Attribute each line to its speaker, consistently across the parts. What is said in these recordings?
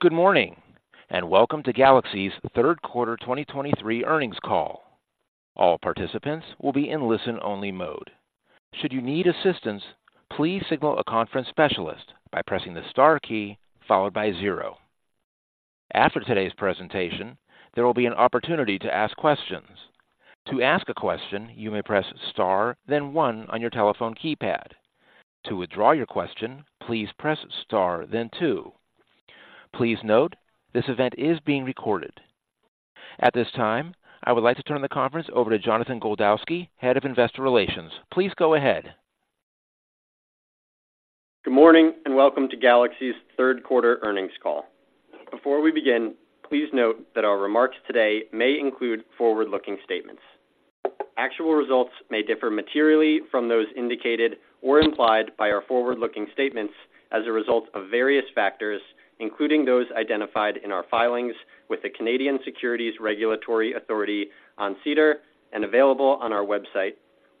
Speaker 1: Good morning, and welcome to Galaxy's Third Quarter 2023 earnings call. All participants will be in listen-only mode. Should you need assistance, please signal a conference specialist by pressing the star key followed by zero. After today's presentation, there will be an opportunity to ask questions. To ask a question, you may press star, then one on your telephone keypad. To withdraw your question, please press star, then two. Please note, this event is being recorded. At this time, I would like to turn the conference over to Jonathan Goldowsky, Head of Investor Relations. Please go ahead.
Speaker 2: Good morning, and welcome to Galaxy's third quarter earnings call. Before we begin, please note that our remarks today may include forward-looking statements. Actual results may differ materially from those indicated or implied by our forward-looking statements as a result of various factors, including those identified in our filings with the Canadian Securities Regulatory Authority on SEDAR and available on our website,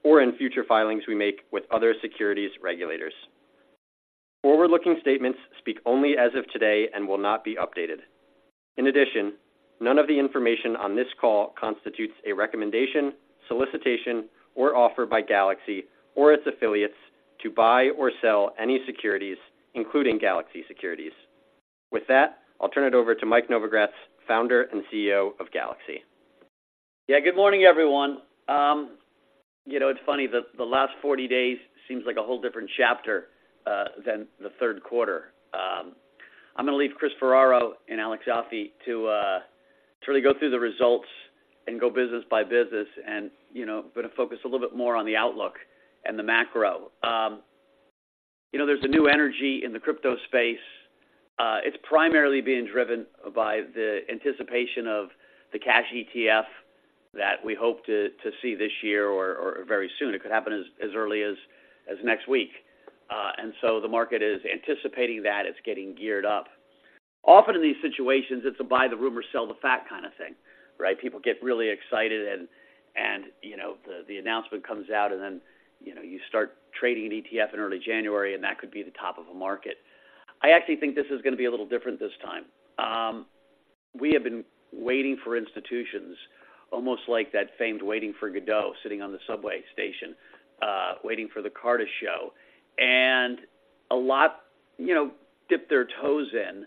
Speaker 2: or in future filings we make with other securities regulators. Forward-looking statements speak only as of today and will not be updated. In addition, none of the information on this call constitutes a recommendation, solicitation, or offer by Galaxy or its affiliates to buy or sell any securities, including Galaxy Securities. With that, I'll turn it over to Mike Novogratz, Founder and CEO of Galaxy.
Speaker 3: Yeah, good morning, everyone. You know, it's funny that the last 40 days seems like a whole different chapter than the third quarter. I'm gonna leave Chris Ferraro and Alex Ioffe to really go through the results and go business by business and, you know, I'm gonna focus a little bit more on the outlook and the macro. You know, there's a new energy in the crypto space. It's primarily being driven by the anticipation of the cash ETF that we hope to see this year or very soon. It could happen as early as next week. And so the market is anticipating that, it's getting geared up. Often in these situations, it's a buy the rumor, sell the fact kind of thing, right? People get really excited and, you know, the announcement comes out, and then, you know, you start trading an ETF in early January, and that could be the top of a market. I actually think this is gonna be a little different this time. We have been waiting for institutions, almost like that famed Waiting for Godot, sitting on the subway station, waiting for the car to show, and a lot, you know, dip their toes in.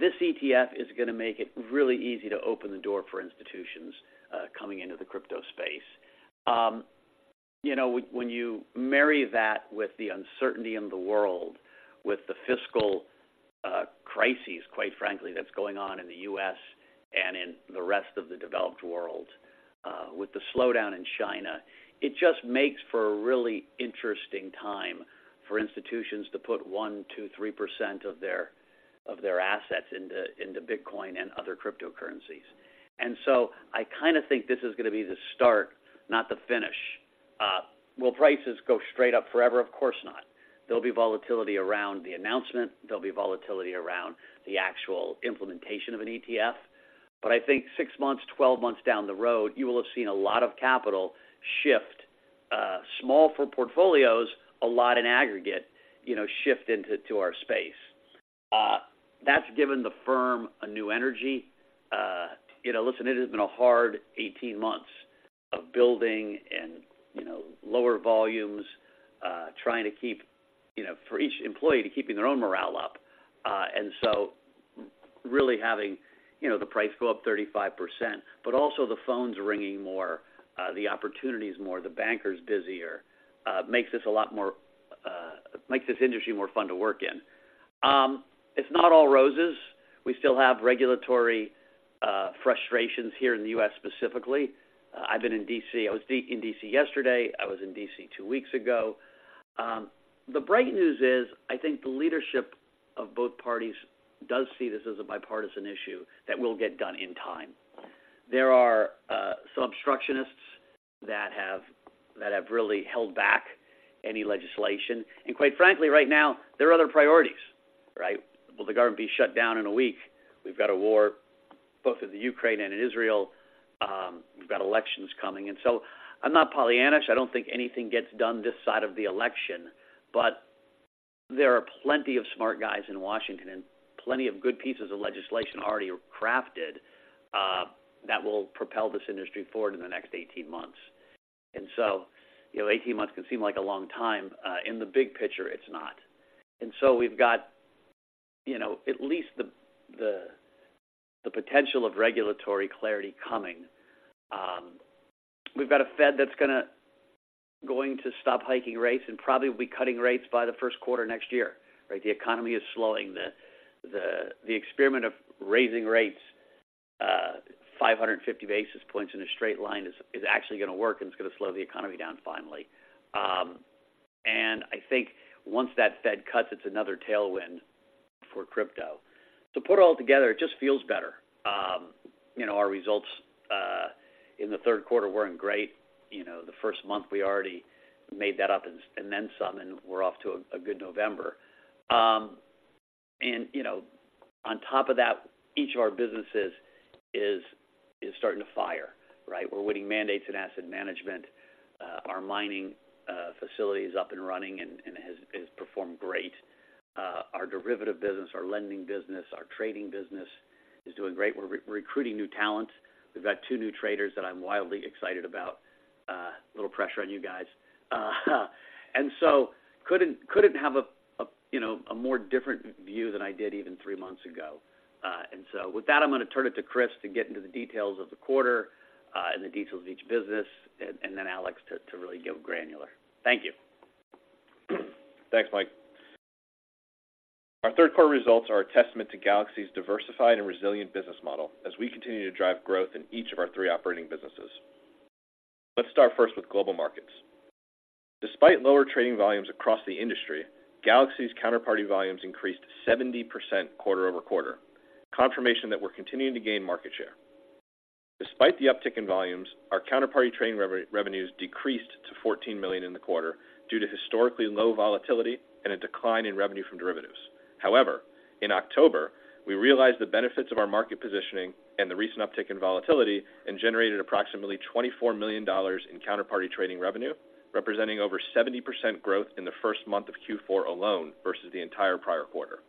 Speaker 3: This ETF is gonna make it really easy to open the door for institutions, coming into the crypto space. You know, when you marry that with the uncertainty in the world, with the fiscal crises, quite frankly, that's going on in the U.S. and in the rest of the developed world, with the slowdown in China, it just makes for a really interesting time for institutions to put one, two, three% of their, of their assets into, into Bitcoin and other cryptocurrencies. And so I kind of think this is gonna be the start, not the finish. Will prices go straight up forever? Of course not. There'll be volatility around the announcement. There'll be volatility around the actual implementation of an ETF, but I think six months, 12 months down the road, you will have seen a lot of capital shift, small for portfolios, a lot in aggregate, you know, shift into, to our space. That's given the firm a new energy. You know, listen, it has been a hard 18 months of building and, you know, lower volumes, trying to keep, you know, for each employee to keeping their own morale up. And so really having, you know, the price go up 35%, but also the phones ringing more, the opportunities more, the bankers busier, makes this a lot more, makes this industry more fun to work in. It's not all roses. We still have regulatory frustrations here in the U.S. specifically. I've been in D.C. I was in D.C. yesterday. I was in D.C. two weeks ago. The bright news is, I think the leadership of both parties does see this as a bipartisan issue that will get done in time. There are some obstructionists that have really held back any legislation, and quite frankly, right now, there are other priorities, right? Will the government be shut down in a week? We've got a war, both in the Ukraine and in Israel. We've got elections coming in. So I'm not pollyannaish. I don't think anything gets done this side of the election, but there are plenty of smart guys in Washington and plenty of good pieces of legislation already crafted that will propel this industry forward in the next 18 months. And so, you know, 18 months can seem like a long time. In the big picture, it's not. And so we've got, you know, at least the potential of regulatory clarity coming. We've got a Fed that's gonna stop hiking rates and probably will be cutting rates by the first quarter next year, right? The economy is slowing. The experiment of raising rates, 550 basis points in a straight line is actually gonna work, and it's gonna slow the economy down finally. I think once that Fed cuts, it's another tailwind for crypto. To put it all together, it just feels better. You know, our results in the third quarter weren't great. You know, the first month, we already made that up and then some, and we're off to a good November. You know, on top of that, each of our businesses is starting to fire, right? We're winning mandates in asset management. Our mining facility is up and running and has performed great. Our derivative business, our lending business, our trading business is doing great. We're recruiting new talent. We've got two new traders that I'm wildly excited about. A little pressure on you guys. So couldn't have a, you know, a more different view than I did even three months ago. So with that, I'm gonna turn it to Chris to get into the details of the quarter and the details of each business, and then Alex to really go granular. Thank you.
Speaker 4: Thanks, Mike. Our third quarter results are a testament to Galaxy's diversified and resilient business model as we continue to drive growth in each of our three operating businesses. Let's start first with global markets. Despite lower trading volumes across the industry, Galaxy's counterparty volumes increased 70% quarter-over-quarter, confirmation that we're continuing to gain market share. Despite the uptick in volumes, our counterparty trading revenues decreased to $14 million in the quarter due to historically low volatility and a decline in revenue from derivatives. However, in October, we realized the benefits of our market positioning and the recent uptick in volatility, and generated approximately $24 million in counterparty trading revenue, representing over 70% growth in the first month of Q4 alone versus the entire prior quarter.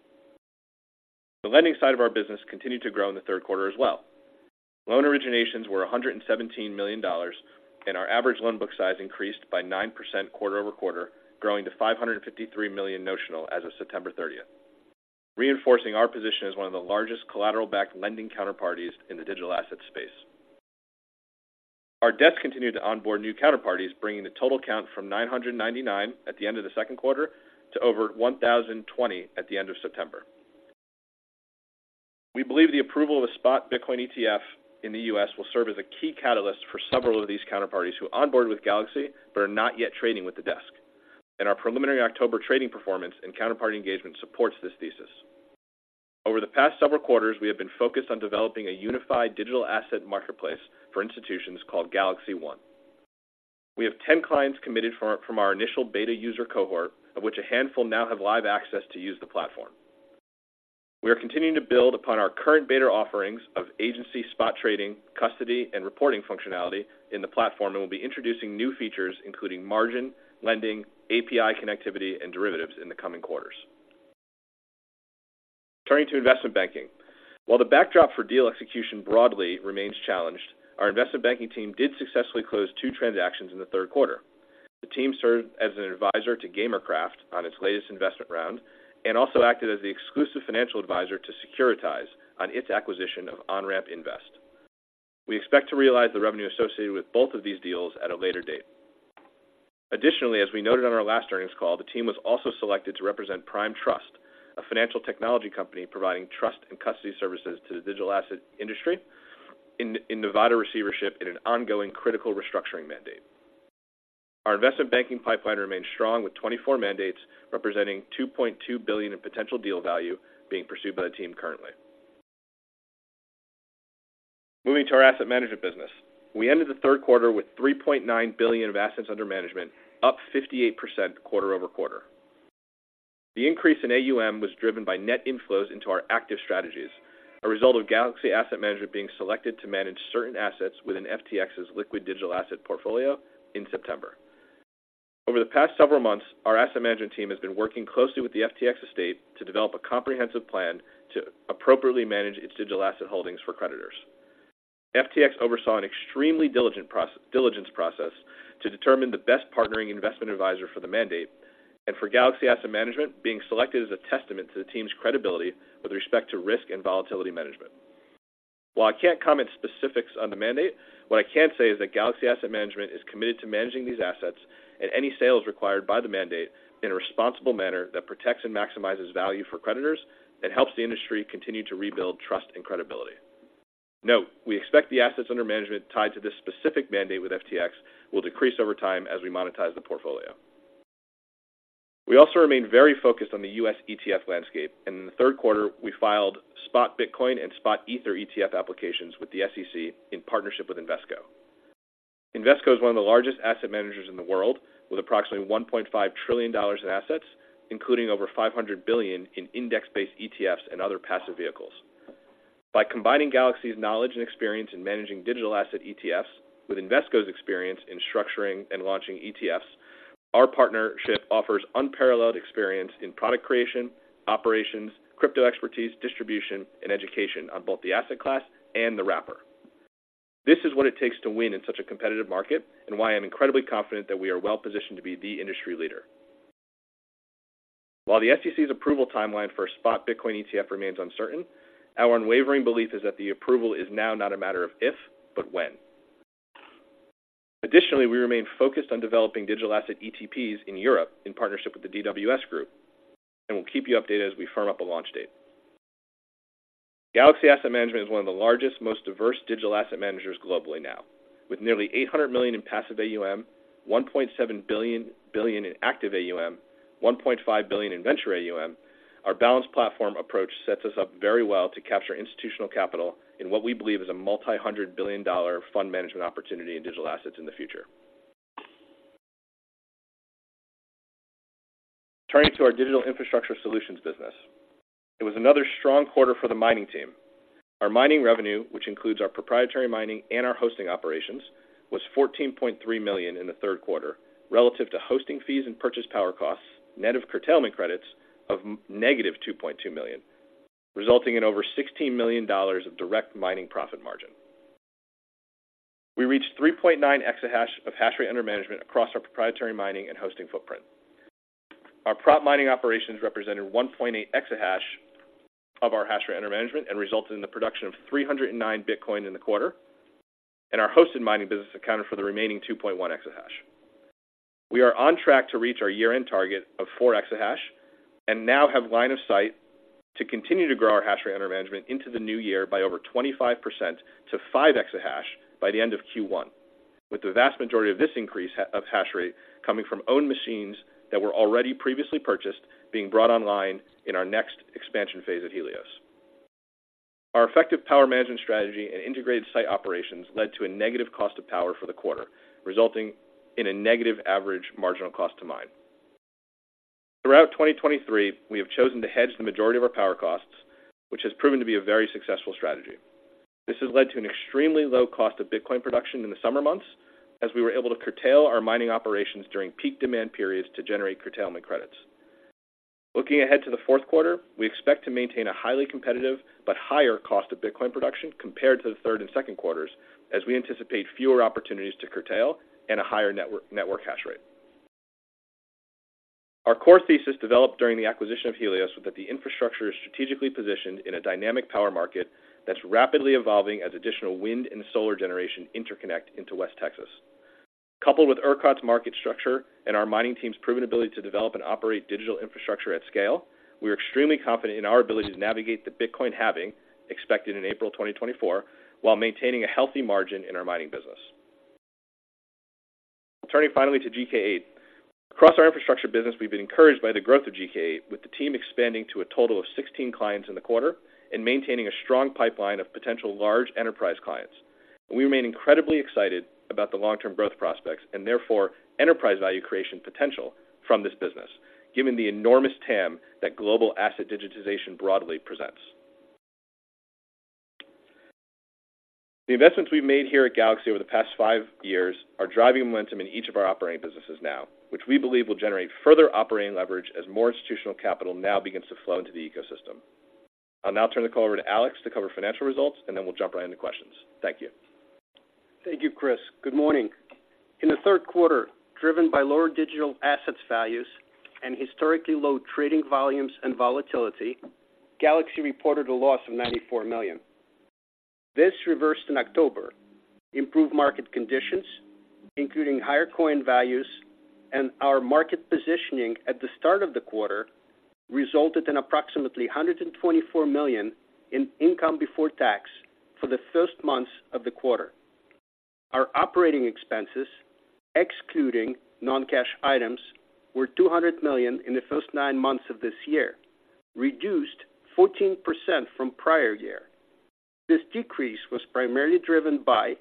Speaker 4: The lending side of our business continued to grow in the third quarter as well. Loan originations were $117 million, and our average loan book size increased by 9% quarter-over-quarter, growing to $553 million notional as of September 30th, reinforcing our position as one of the largest collateral-backed lending counterparties in the digital asset space. Our desk continued to onboard new counterparties, bringing the total count from 999 at the end of the second quarter to over 1,020 at the end of September. We believe the approval of a spot Bitcoin ETF in the U.S. will serve as a key catalyst for several of these counterparties who onboard with Galaxy, but are not yet trading with the desk, and our preliminary October trading performance and counterparty engagement supports this thesis. Over the past several quarters, we have been focused on developing a unified digital asset marketplace for institutions called Galaxy One. We have 10 clients committed from our initial beta user cohort, of which a handful now have live access to use the platform. We are continuing to build upon our current beta offerings of agency spot trading, custody, and reporting functionality in the platform, and we'll be introducing new features, including margin, lending, API connectivity, and derivatives in the coming quarters. Turning to investment banking. While the backdrop for deal execution broadly remains challenged, our investment banking team did successfully close two transactions in the third quarter. The team served as an advisor to Gamercraft on its latest investment round, and also acted as the exclusive financial advisor to Securitize on its acquisition of Onramp Invest. We expect to realize the revenue associated with both of these deals at a later date. Additionally, as we noted on our last earnings call, the team was also selected to represent Prime Trust, a financial technology company providing trust and custody services to the digital asset industry, in Nevada receivership in an ongoing critical restructuring mandate. Our investment banking pipeline remains strong, with 24 mandates, representing $2.2 billion in potential deal value being pursued by the team currently. Moving to our asset management business. We ended the third quarter with $3.9 billion of assets under management, up 58% quarter-over-quarter. The increase in AUM was driven by net inflows into our active strategies, a result of Galaxy Asset Management being selected to manage certain assets within FTX's liquid digital asset portfolio in September. Over the past several months, our asset management team has been working closely with the FTX estate to develop a comprehensive plan to appropriately manage its digital asset holdings for creditors. FTX oversaw an extremely diligent diligence process to determine the best partnering investment advisor for the mandate, and for Galaxy Asset Management, being selected as a testament to the team's credibility with respect to risk and volatility management. While I can't comment specifics on the mandate, what I can say is that Galaxy Asset Management is committed to managing these assets and any sales required by the mandate in a responsible manner that protects and maximizes value for creditors and helps the industry continue to rebuild trust and credibility. Note, we expect the assets under management tied to this specific mandate with FTX will decrease over time as we monetize the portfolio. We also remain very focused on the U.S. ETF landscape, and in the third quarter, we filed spot Bitcoin and spot Ether ETF applications with the SEC in partnership with Invesco. Invesco is one of the largest asset managers in the world, with approximately $1.5 trillion in assets, including over $500 billion in index-based ETFs and other passive vehicles. By combining Galaxy's knowledge and experience in managing digital asset ETFs with Invesco's experience in structuring and launching ETFs, our partnership offers unparalleled experience in product creation, operations, crypto expertise, distribution, and education on both the asset class and the wrapper. This is what it takes to win in such a competitive market and why I'm incredibly confident that we are well-positioned to be the industry leader. While the SEC's approval timeline for a spot Bitcoin ETF remains uncertain, our unwavering belief is that the approval is now not a matter of if, but when. Additionally, we remain focused on developing digital asset ETPs in Europe in partnership with the DWS Group, and we'll keep you updated as we firm up a launch date. Galaxy Asset Management is one of the largest, most diverse digital asset managers globally now, with nearly $800 million in passive AUM, $1.7 billion, billion in active AUM, $1.5 billion in venture AUM. Our balanced platform approach sets us up very well to capture institutional capital in what we believe is a multi-hundred billion dollar fund management opportunity in digital assets in the future.... Turning to our digital infrastructure solutions business. It was another strong quarter for the mining team. Our mining revenue, which includes our proprietary mining and our hosting operations, was $14.3 million in the third quarter, relative to hosting fees and purchase power costs, net of curtailment credits of -$2.2 million, resulting in over $16 million of direct mining profit margin. We reached 3.9 exahash of hash rate under management across our proprietary mining and hosting footprint. Our prop mining operations represented 1.8 exahash of our hash rate under management and resulted in the production of 309 Bitcoin in the quarter, and our hosted mining business accounted for the remaining 2.1 exahash. We are on track to reach our year-end target of 4 exahash, and now have line of sight to continue to grow our hash rate under management into the new year by over 25% to 5 exahash by the end of Q1, with the vast majority of this increase of hash rate coming from own machines that were already previously purchased being brought online in our next expansion phase at Helios. Our effective power management strategy and integrated site operations led to a negative cost of power for the quarter, resulting in a negative average marginal cost to mine. Throughout 2023, we have chosen to hedge the majority of our power costs, which has proven to be a very successful strategy. This has led to an extremely low cost of Bitcoin production in the summer months, as we were able to curtail our mining operations during peak demand periods to generate curtailment credits. Looking ahead to the fourth quarter, we expect to maintain a highly competitive but higher cost of Bitcoin production compared to the third and second quarters, as we anticipate fewer opportunities to curtail and a higher network hash rate. Our core thesis, developed during the acquisition of Helios, was that the infrastructure is strategically positioned in a dynamic power market that's rapidly evolving as additional wind and solar generation interconnect into West Texas. Coupled with ERCOT's market structure and our mining team's proven ability to develop and operate digital infrastructure at scale, we are extremely confident in our ability to navigate the Bitcoin halving, expected in April 2024, while maintaining a healthy margin in our mining business. Turning finally to GK8. Across our infrastructure business, we've been encouraged by the growth of GK8, with the team expanding to a total of 16 clients in the quarter and maintaining a strong pipeline of potential large enterprise clients. We remain incredibly excited about the long-term growth prospects and therefore enterprise value creation potential from this business, given the enormous TAM that global asset digitization broadly presents. The investments we've made here at Galaxy over the past five years are driving momentum in each of our operating businesses now, which we believe will generate further operating leverage as more institutional capital now begins to flow into the ecosystem. I'll now turn the call over to Alex to cover financial results, and then we'll jump right into questions. Thank you.
Speaker 5: Thank you, Chris. Good morning. In the third quarter, driven by lower digital assets values and historically low trading volumes and volatility, Galaxy reported a loss of $94 million. This reversed in October. Improved market conditions, including higher coin values and our market positioning at the start of the quarter, resulted in approximately $124 million in income before tax for the first months of the quarter. Our operating expenses, excluding non-cash items, were $200 million in the first nine months of this year, reduced 14% from prior year. This decrease was primarily driven by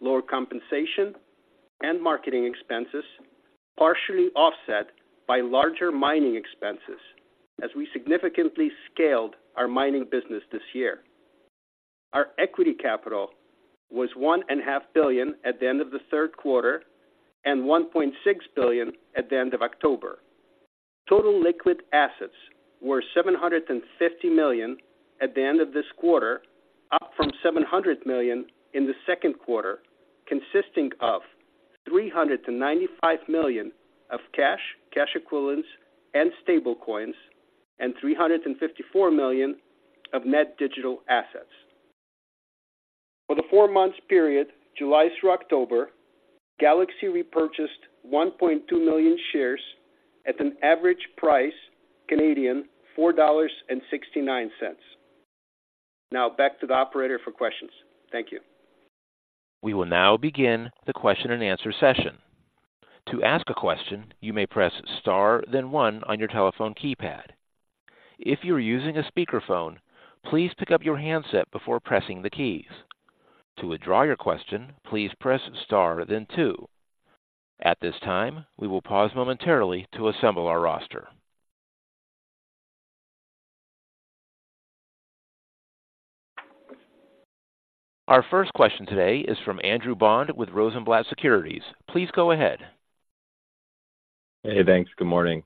Speaker 5: lower compensation and marketing expenses, partially offset by larger mining expenses as we significantly scaled our mining business this year. Our equity capital was $1.5 billion at the end of the third quarter and $1.6 billion at the end of October. Total liquid assets were $750 million at the end of this quarter, up from $700 million in the second quarter, consisting of $395 million of cash, cash equivalents, and stablecoins, and $354 million of net digital assets. For the four-month period, July through October, Galaxy repurchased 1.2 million shares at an average price, Canadian, of 4.69 Canadian dollars. Now back to the operator for questions. Thank you.
Speaker 1: We will now begin the question-and-answer session. To ask a question, you may press star, then one on your telephone keypad. If you are using a speakerphone, please pick up your handset before pressing the keys. To withdraw your question, please press star, then two. At this time, we will pause momentarily to assemble our roster. Our first question today is from Andrew Bond with Rosenblatt Securities. Please go ahead.
Speaker 6: Hey, thanks. Good morning.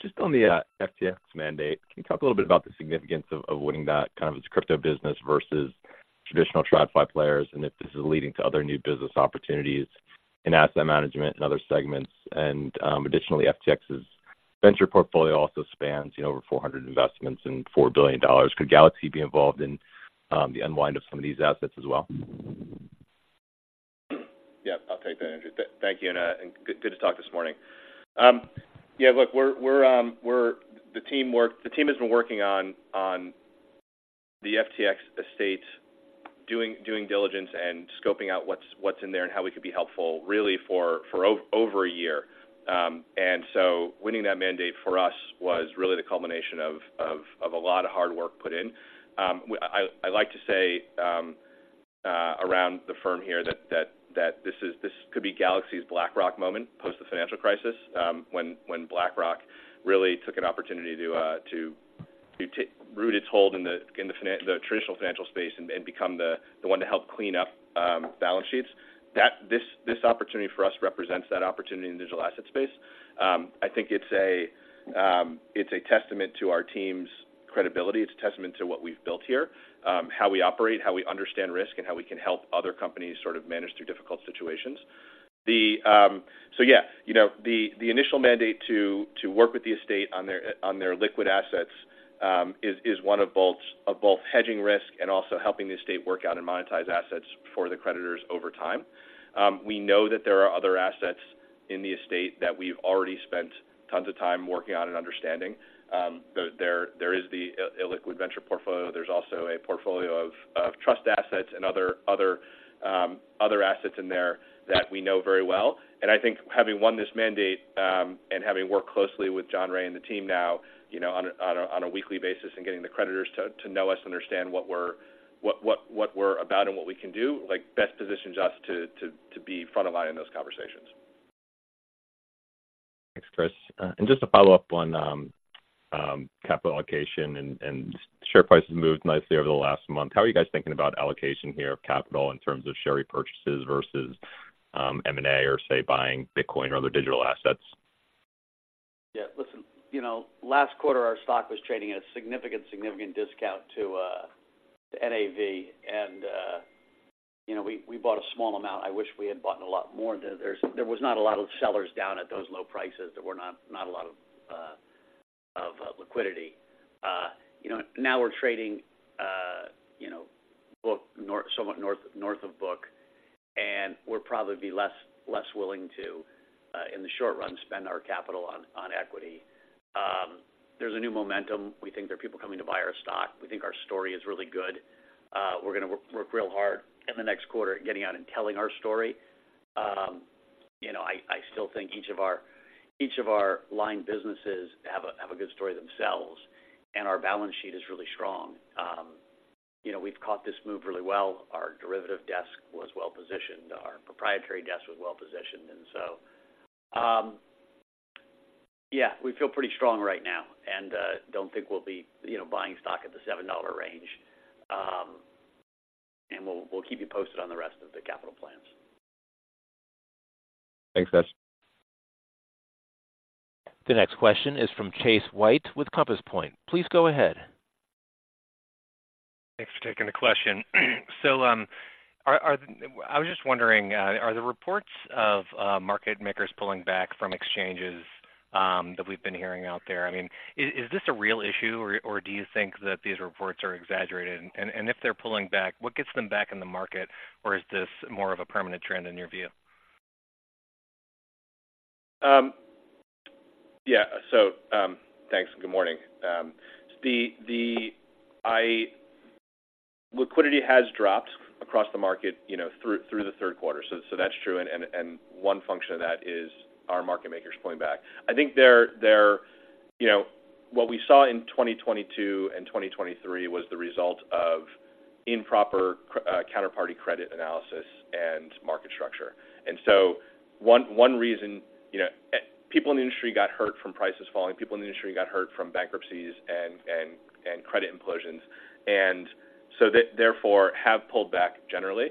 Speaker 6: Just on the, FTX mandate, can you talk a little bit about the significance of, of winning that kind of its crypto business versus traditional TradFi players, and if this is leading to other new business opportunities in asset management and other segments? And, additionally, FTX's venture portfolio also spans over 400 investments and $4 billion. Could Galaxy be involved in, the unwind of some of these assets as well?
Speaker 4: Yeah, I'll take that, Andrew. Thank you, and good to talk this morning. Yeah, look, we're... The team has been working on the FTX estate, doing diligence and scoping out what's in there and how we could be helpful, really, for over a year. And so winning that mandate for us was really the culmination of a lot of hard work put in. I'd like to say around the firm here, that this could be Galaxy's BlackRock moment, post the financial crisis, when BlackRock really took an opportunity to take root its hold in the traditional financial space, and become the one to help clean up balance sheets. This opportunity for us represents that opportunity in the digital asset space. I think it's a testament to our team's credibility. It's a testament to what we've built here, how we operate, how we understand risk, and how we can help other companies sort of manage through difficult situations. So yeah, you know, the initial mandate to work with the estate on their liquid assets is one of both hedging risk and also helping the estate work out and monetize assets for the creditors over time. We know that there are other assets in the estate that we've already spent tons of time working on and understanding. There is the illiquid venture portfolio. There's also a portfolio of trust assets and other assets in there that we know very well. I think having won this mandate, and having worked closely with John Ray and the team now, you know, on a weekly basis, and getting the creditors to know us and understand what we're about and what we can do, like, best positions us to be front of line in those conversations.
Speaker 6: Thanks, Chris. Just a follow-up on capital allocation and share price has moved nicely over the last month. How are you guys thinking about allocation here of capital in terms of share repurchases versus M&A, or, say, buying Bitcoin or other digital assets?
Speaker 3: Yeah, listen, you know, last quarter, our stock was trading at a significant, significant discount to NAV. And, you know, we bought a small amount. I wish we had bought a lot more. There was not a lot of sellers down at those low prices. There were not a lot of liquidity. You know, now we're trading somewhat north of book, and we'll probably be less willing to, in the short run, spend our capital on equity. There's a new momentum. We think there are people coming to buy our stock. We think our story is really good. We're gonna work real hard in the next quarter at getting out and telling our story. You know, I still think each of our line businesses have a good story themselves, and our balance sheet is really strong. You know, we've caught this move really well. Our derivative desk was well positioned, our proprietary desk was well positioned, and so, yeah, we feel pretty strong right now and don't think we'll be, you know, buying stock at the $7 range. And we'll keep you posted on the rest of the capital plans.
Speaker 6: Thanks, guys.
Speaker 1: The next question is from Chase White with Compass Point. Please go ahead.
Speaker 7: Thanks for taking the question. So, I was just wondering, are the reports of market makers pulling back from exchanges that we've been hearing out there, I mean, is this a real issue, or do you think that these reports are exaggerated? If they're pulling back, what gets them back in the market, or is this more of a permanent trend in your view?
Speaker 4: Yeah. So, thanks, and good morning. Liquidity has dropped across the market, you know, through the third quarter. So that's true, and one function of that is our market makers pulling back. I think they're. You know, what we saw in 2022 and 2023 was the result of improper counterparty credit analysis and market structure. And so one reason, you know, people in the industry got hurt from prices falling, people in the industry got hurt from bankruptcies and credit implosions, and so they therefore have pulled back generally.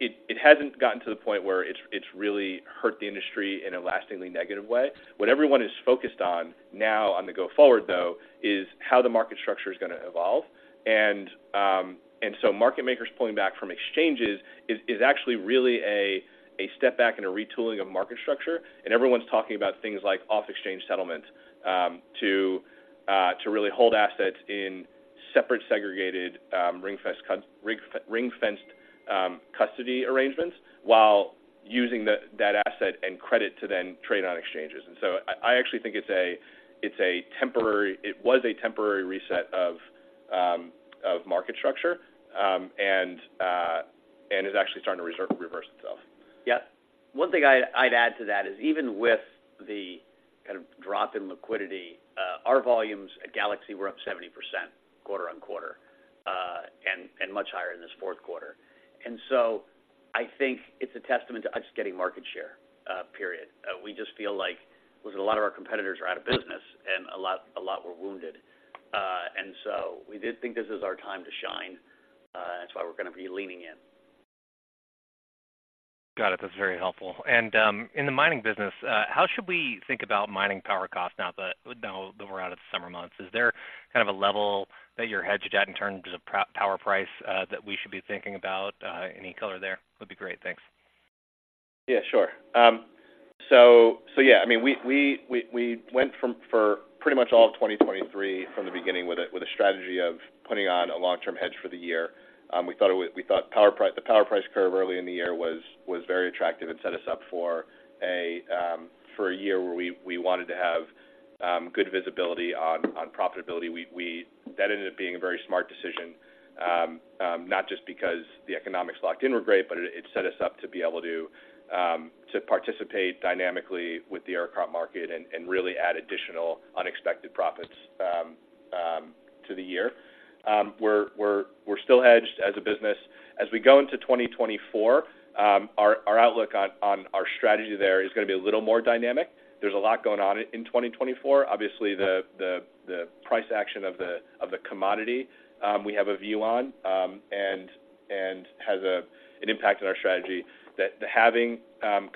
Speaker 4: It hasn't gotten to the point where it's really hurt the industry in a lastingly negative way. What everyone is focused on now on the go forward, though, is how the market structure is gonna evolve. And so market makers pulling back from exchanges is actually really a step back and a retooling of market structure. And everyone's talking about things like off-exchange settlement to really hold assets in separate, segregated, ring fenced custody arrangements, while using that asset and credit to then trade on exchanges. And so I actually think it's a temporary, it was a temporary reset of market structure, and is actually starting to reverse itself.
Speaker 3: Yeah. One thing I'd add to that is, even with the kind of drop in liquidity, our volumes at Galaxy were up 70% quarter-on-quarter, and much higher in this fourth quarter. And so I think it's a testament to us getting market share, period. We just feel like with a lot of our competitors are out of business and a lot were wounded. And so we did think this is our time to shine, and that's why we're gonna be leaning in.
Speaker 7: Got it. That's very helpful. And, in the mining business, how should we think about mining power costs now that, now that we're out of the summer months? Is there kind of a level that you're hedged at in terms of power price, that we should be thinking about? Any color there would be great. Thanks.
Speaker 4: Yeah, sure. So yeah, I mean, we went from, for pretty much all of 2023, from the beginning, with a strategy of putting on a long-term hedge for the year. We thought power price—the power price curve early in the year was very attractive and set us up for a year where we wanted to have good visibility on profitability. That ended up being a very smart decision, not just because the economics locked in were great, but it set us up to be able to participate dynamically with the crypto market and really add additional unexpected profits of the year. We're still hedged as a business. As we go into 2024, our outlook on our strategy there is gonna be a little more dynamic. There's a lot going on in 2024. Obviously, the price action of the commodity we have a view on and has an impact on our strategy that the halving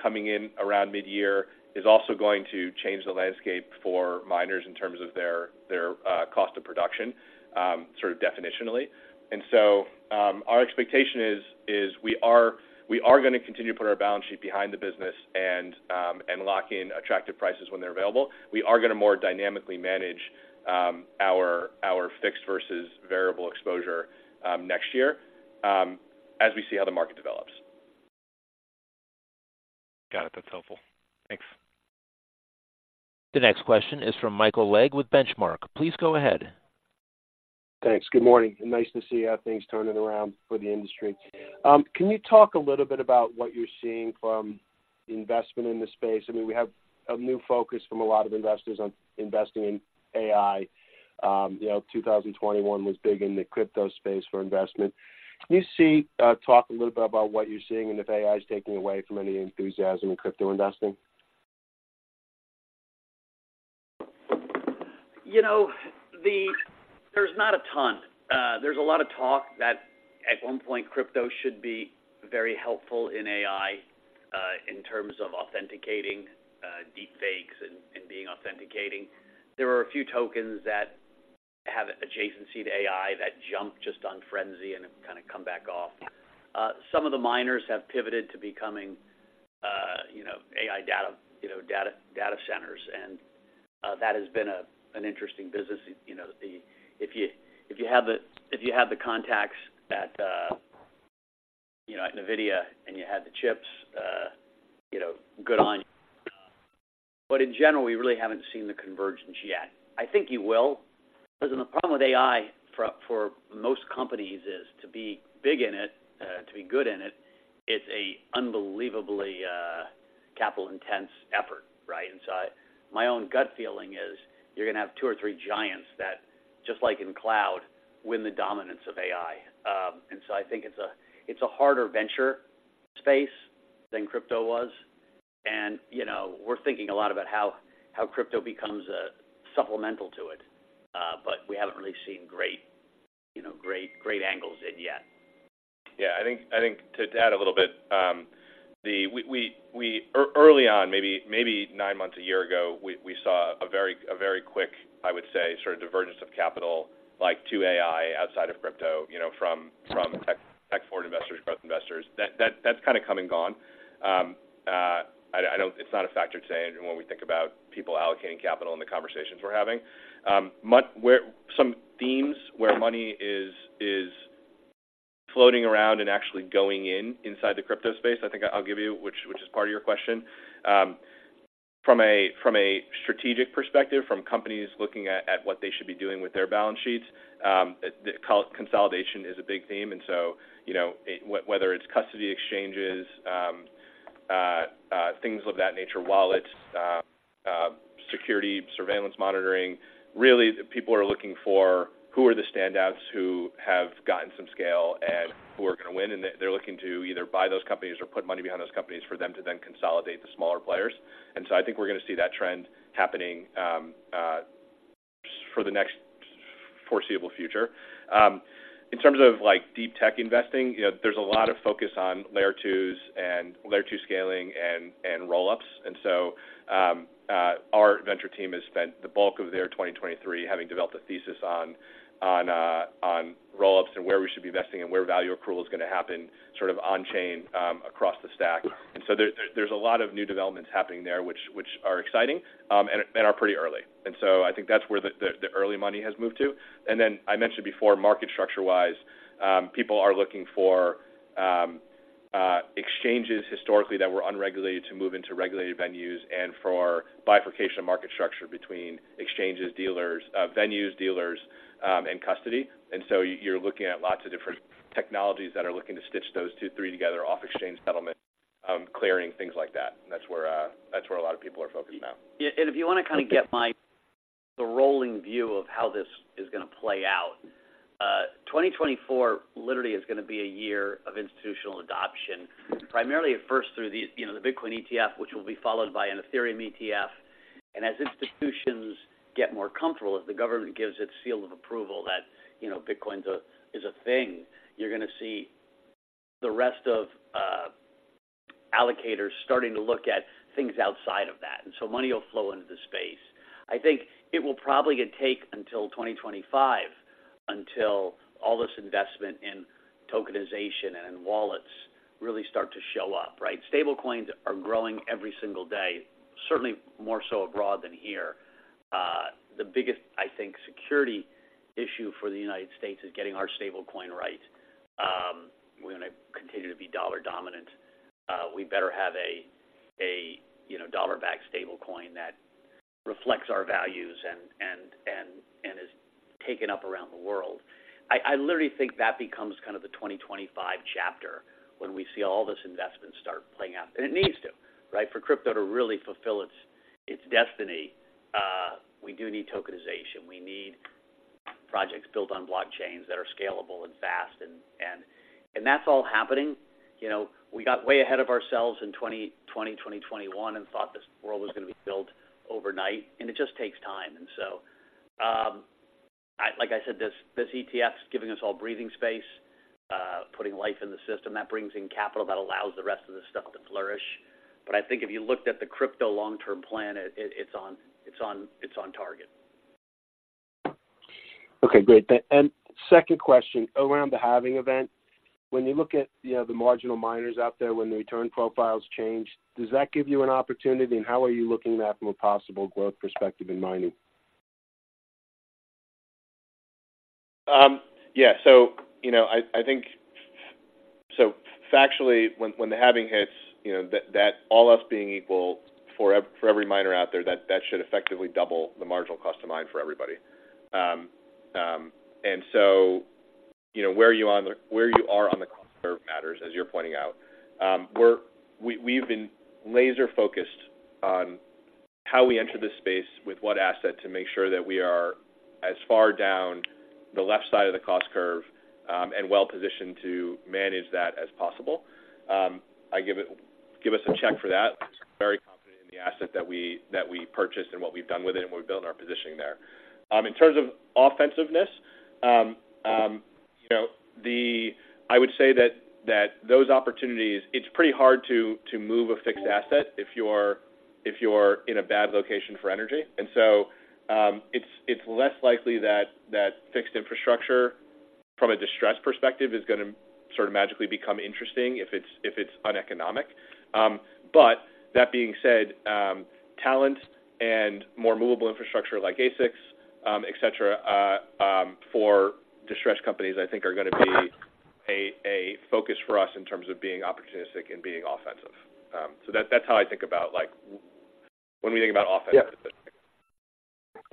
Speaker 4: coming in around midyear is also going to change the landscape for miners in terms of their cost of production, sort of definitionally. And so, our expectation is we are gonna continue to put our balance sheet behind the business and lock in attractive prices when they're available. We are gonna more dynamically manage our fixed versus variable exposure next year as we see how the market develops.
Speaker 7: Got it. That's helpful. Thanks.
Speaker 1: The next question is from Michael Legg with Benchmark. Please go ahead.
Speaker 8: Thanks. Good morning. Nice to see how things turning around for the industry. Can you talk a little bit about what you're seeing from investment in this space? I mean, we have a new focus from a lot of investors on investing in AI. You know, 2021 was big in the crypto space for investment. Talk a little bit about what you're seeing and if AI is taking away from any enthusiasm in crypto investing?
Speaker 3: You know, there's not a ton. There's a lot of talk that at one point, crypto should be very helpful in AI, in terms of authenticating deepfakes and authenticating. There are a few tokens that have adjacency to AI that jump just on frenzy and have kind of come back off. Some of the miners have pivoted to becoming, you know, AI data, you know, data centers, and that has been an interesting business. You know, if you have the contacts that, you know, NVIDIA and you had the chips, you know, good on you. But in general, we really haven't seen the convergence yet. I think you will, because the problem with AI for most companies is to be big in it, to be good in it, it's an unbelievably capital intense effort, right? And so my own gut feeling is you're gonna have two or three giants that, just like in cloud, win the dominance of AI. And so I think it's a, it's a harder venture space than crypto was. And, you know, we're thinking a lot about how, how crypto becomes, supplemental to it, but we haven't really seen great, you know, great, great angles in yet.
Speaker 4: Yeah, I think to add a little bit, early on, maybe nine months, a year ago, we saw a very quick, I would say, sort of divergence of capital, like to AI outside of crypto, you know, from tech forward investors, growth investors. That's kind of come and gone. I don't. It's not a factor today when we think about people allocating capital and the conversations we're having. Where some themes, where money is floating around and actually going inside the crypto space, I think I'll give you, which is part of your question. From a strategic perspective, from companies looking at what they should be doing with their balance sheets, the consolidation is a big theme. And so, you know, whether it's custody exchanges, things of that nature, wallets, security, surveillance monitoring, really people are looking for who are the standouts who have gotten some scale and who are gonna win, and they're looking to either buy those companies or put money behind those companies for them to then consolidate the smaller players. And so I think we're gonna see that trend happening, for the next foreseeable future. In terms of, like, deep tech investing, you know, there's a lot of focus on Layer 2s and Layer 2 scaling and roll-ups. And so, our venture team has spent the bulk of their 2023 having developed a thesis on roll-ups and where we should be investing and where value accrual is gonna happen, sort of on chain, across the stack. And so there, there's a lot of new developments happening there, which are exciting, and are pretty early. And so I think that's where the early money has moved to. And then I mentioned before, market structure-wise, people are looking for exchanges historically that were unregulated to move into regulated venues and for bifurcation of market structure between exchanges, dealers, venues, and custody. And so you're looking at lots of different technologies that are looking to stitch those two, three together off exchange settlement, clearing, things like that. And that's where a lot of people are focused now.
Speaker 3: Yeah, and if you want to kind of get my, the rolling view of how this is gonna play out, 2024 literally is gonna be a year of institutional adoption, primarily at first through the, you know, the Bitcoin ETF, which will be followed by an Ethereum ETF. And as institutions get more comfortable, as the government gives its seal of approval that, you know, Bitcoin is a, is a thing, you're gonna see the rest of allocators starting to look at things outside of that. And so money will flow into the space. I think it will probably take until 2025 until all this investment in tokenization and in wallets really start to show up, right? Stablecoins are growing every single day, certainly more so abroad than here. The biggest, I think, security issue for the United States is getting our stablecoin right. We're gonna continue to be dollar dominant. We better have a, you know, dollar-backed stablecoin that reflects our values and, and, and, and is taken up around the world. I literally think that becomes kind of the 2025 chapter when we see all this investment start playing out. And it needs to, right? For crypto to really fulfill its destiny, we do need tokenization. We need projects built on blockchains that are scalable and fast and, and, and that's all happening. You know, we got way ahead of ourselves in 2020, 2021, and thought this world was going to be built overnight, and it just takes time. So, like I said, this ETF is giving us all breathing space, putting life in the system. That brings in capital that allows the rest of this stuff to flourish. But I think if you looked at the crypto long-term plan, it's on target.
Speaker 8: Okay, great. Second question, around the Halving event. When you look at, you know, the marginal miners out there, when the return profiles change, does that give you an opportunity? And how are you looking at that from a possible growth perspective in mining?
Speaker 4: Yeah, so, you know, I think, so factually, when the halving hits, you know, that all else being equal for every miner out there, that should effectively double the marginal cost of mining for everybody. And so, you know, where you are on the cost curve matters, as you're pointing out. We're—we've been laser-focused on how we enter this space, with what asset, to make sure that we are as far down the left side of the cost curve, and well positioned to manage that as possible. Give us a check for that. Very confident in the asset that we purchased and what we've done with it, and we've built our positioning there. In terms of offensiveness, you know, I would say that those opportunities, it's pretty hard to move a fixed asset if you're in a bad location for energy. And so, it's less likely that fixed infrastructure, from a distressed perspective, is going to sort of magically become interesting if it's uneconomic. But that being said, talent and more movable infrastructure like ASICs, et cetera, for distressed companies, I think are going to be a focus for us in terms of being opportunistic and being offensive. So that's how I think about, like, when we think about offensiveness.
Speaker 8: Yeah.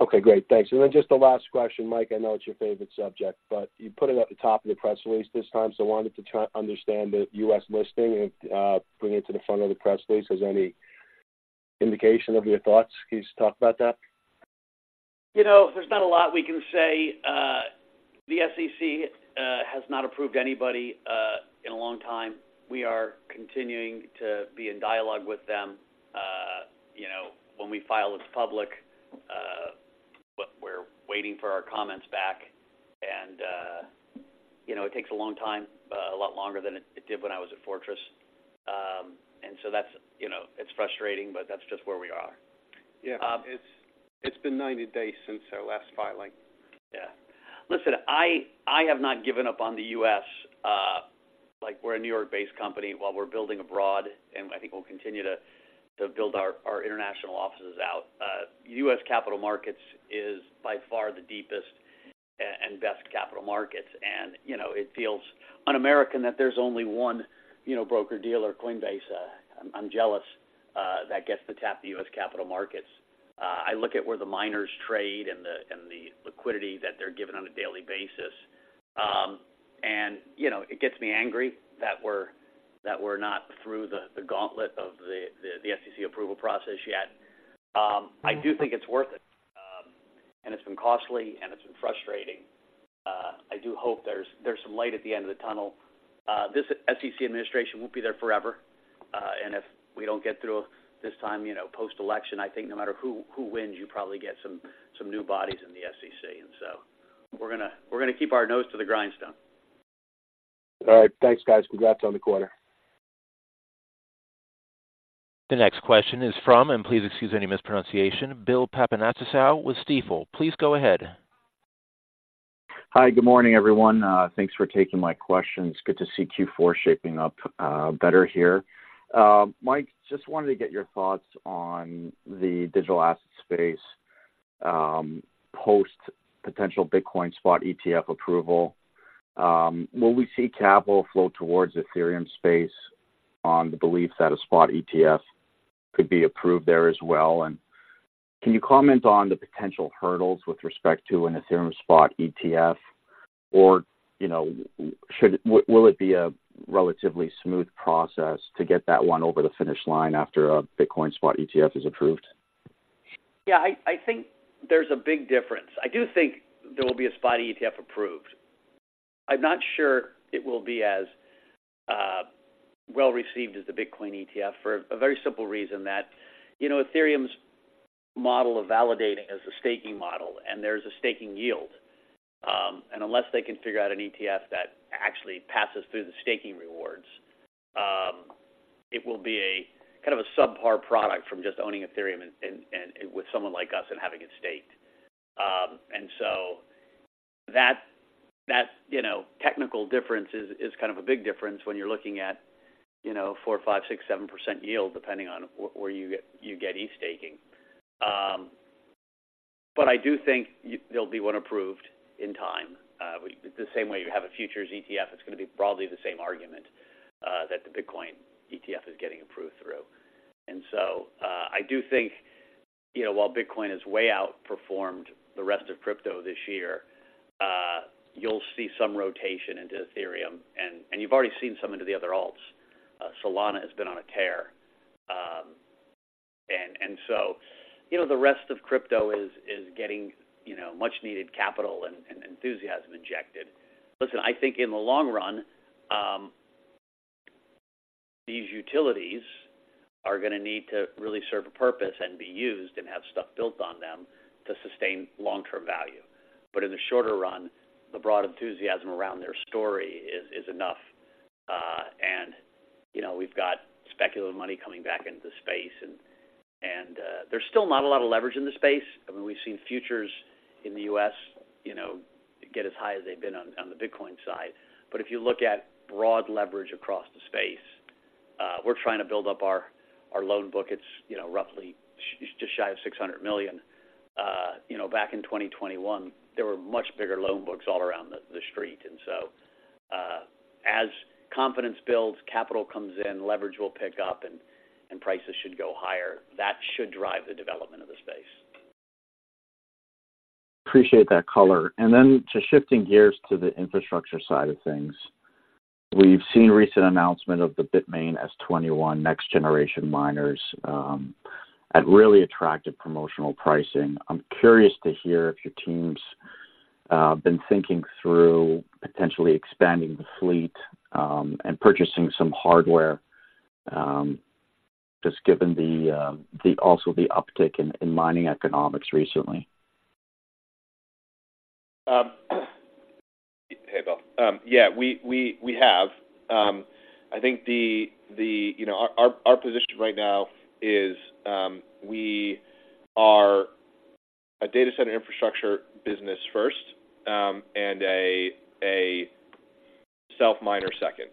Speaker 8: Okay, great. Thanks. And then just the last question, Mike. I know it's your favorite subject, but you put it at the top of the press release this time, so I wanted to try to understand the U.S. listing and bring it to the front of the press release. Is there any indication of your thoughts? Can you just talk about that?
Speaker 3: You know, there's not a lot we can say. The SEC has not approved anybody in a long time. We are continuing to be in dialogue with them. You know, when we file, it's public, but we're waiting for our comments back and, you know, it takes a long time, a lot longer than it did when I was at Fortress. And so that's. You know, it's frustrating, but that's just where we are.
Speaker 8: Yeah.
Speaker 3: Um-
Speaker 8: It's been 90 days since our last filing.
Speaker 3: Yeah. Listen, I have not given up on the U.S. Like, we're a New York-based company. While we're building abroad, and I think we'll continue to build our international offices out. U.S. capital markets is by far the deepest and best capital markets. And, you know, it feels un-American that there's only one, you know, broker-dealer, Coinbase. I'm jealous that gets to tap the U.S. capital markets. I look at where the miners trade and the liquidity that they're given on a daily basis. And, you know, it gets me angry that we're not through the gauntlet of the SEC approval process yet. I do think it's worth it, and it's been costly, and it's been frustrating. I do hope there's some light at the end of the tunnel. This SEC administration won't be there forever, and if we don't get through this time, you know, post-election, I think no matter who wins, you probably get some new bodies in the SEC. And so we're gonna keep our nose to the grindstone.
Speaker 8: All right. Thanks, guys. Congrats on the quarter.
Speaker 1: The next question is from, and please excuse any mispronunciation, Bill Papanastasiou with Stifel. Please go ahead.
Speaker 9: Hi. Good morning, everyone. Thanks for taking my questions. Good to see Q4 shaping up better here. Mike, just wanted to get your thoughts on the digital asset space post potential Bitcoin spot ETF approval. Will we see capital flow towards Ethereum space on the belief that a spot ETF could be approved there as well? And can you comment on the potential hurdles with respect to an Ethereum spot ETF? Or, you know, will it be a relatively smooth process to get that one over the finish line after a Bitcoin spot ETF is approved?
Speaker 3: Yeah, I think there's a big difference. I do think there will be a spot ETF approved. I'm not sure it will be as well received as the Bitcoin ETF for a very simple reason that, you know, Ethereum's model of validating is a staking model, and there's a staking yield. And unless they can figure out an ETF that actually passes through the staking rewards, it will be a kind of a subpar product from just owning Ethereum and with someone like us and having it staked. And so that technical difference is kind of a big difference when you're looking at, you know, 4%-7% yield, depending on where you get ETH staking. But I do think there'll be one approved in time. The same way you have a futures ETF, it's going to be broadly the same argument that the Bitcoin ETF is getting approved through. And so, I do think you know, while Bitcoin has way outperformed the rest of crypto this year, you'll see some rotation into Ethereum, and you've already seen some into the other alts. Solana has been on a tear. And so, you know, the rest of crypto is getting you know, much needed capital and enthusiasm injected. Listen, I think in the long run, these utilities are gonna need to really serve a purpose and be used and have stuff built on them to sustain long-term value. But in the shorter run, the broad enthusiasm around their story is enough. And, you know, we've got speculative money coming back into the space, and, and, there's still not a lot of leverage in the space. I mean, we've seen futures in the U.S., you know, get as high as they've been on, on the Bitcoin side. But if you look at broad leverage across the space, we're trying to build up our, our loan book. It's, you know, roughly just shy of $600 million. You know, back in 2021, there were much bigger loan books all around the, the street. And so, as confidence builds, capital comes in, leverage will pick up, and, and prices should go higher. That should drive the development of the space.
Speaker 9: Appreciate that color. And then to shifting gears to the infrastructure side of things, we've seen recent announcement of the Bitmain S21 next generation miners at really attractive promotional pricing. I'm curious to hear if your team's been thinking through potentially expanding the fleet and purchasing some hardware just given also the uptick in mining economics recently.
Speaker 4: Hey, Bill. Yeah, we have. I think the... You know, our position right now is, we are a data center infrastructure business first, and a self-miner second.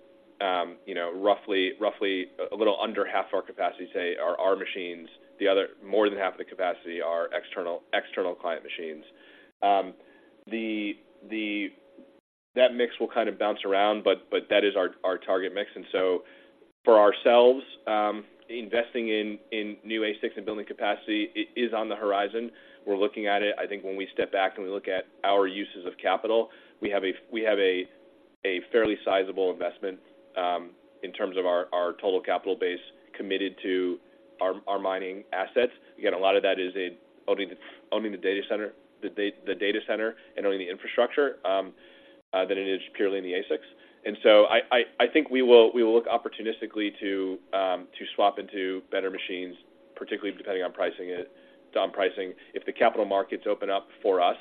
Speaker 4: You know, roughly, a little under half of our capacity today are our machines. The other, more than half of the capacity are external client machines. That mix will kind of bounce around, but that is our target mix. And so for ourselves, investing in new ASICs and building capacity, it is on the horizon. We're looking at it. I think when we step back and we look at our uses of capital, we have a fairly sizable investment, in terms of our total capital base committed to our mining assets. Again, a lot of that is in owning the data center and owning the infrastructure than it is purely in the ASICs. And so I think we will look opportunistically to swap into better machines, particularly depending on pricing. If the capital markets open up for us,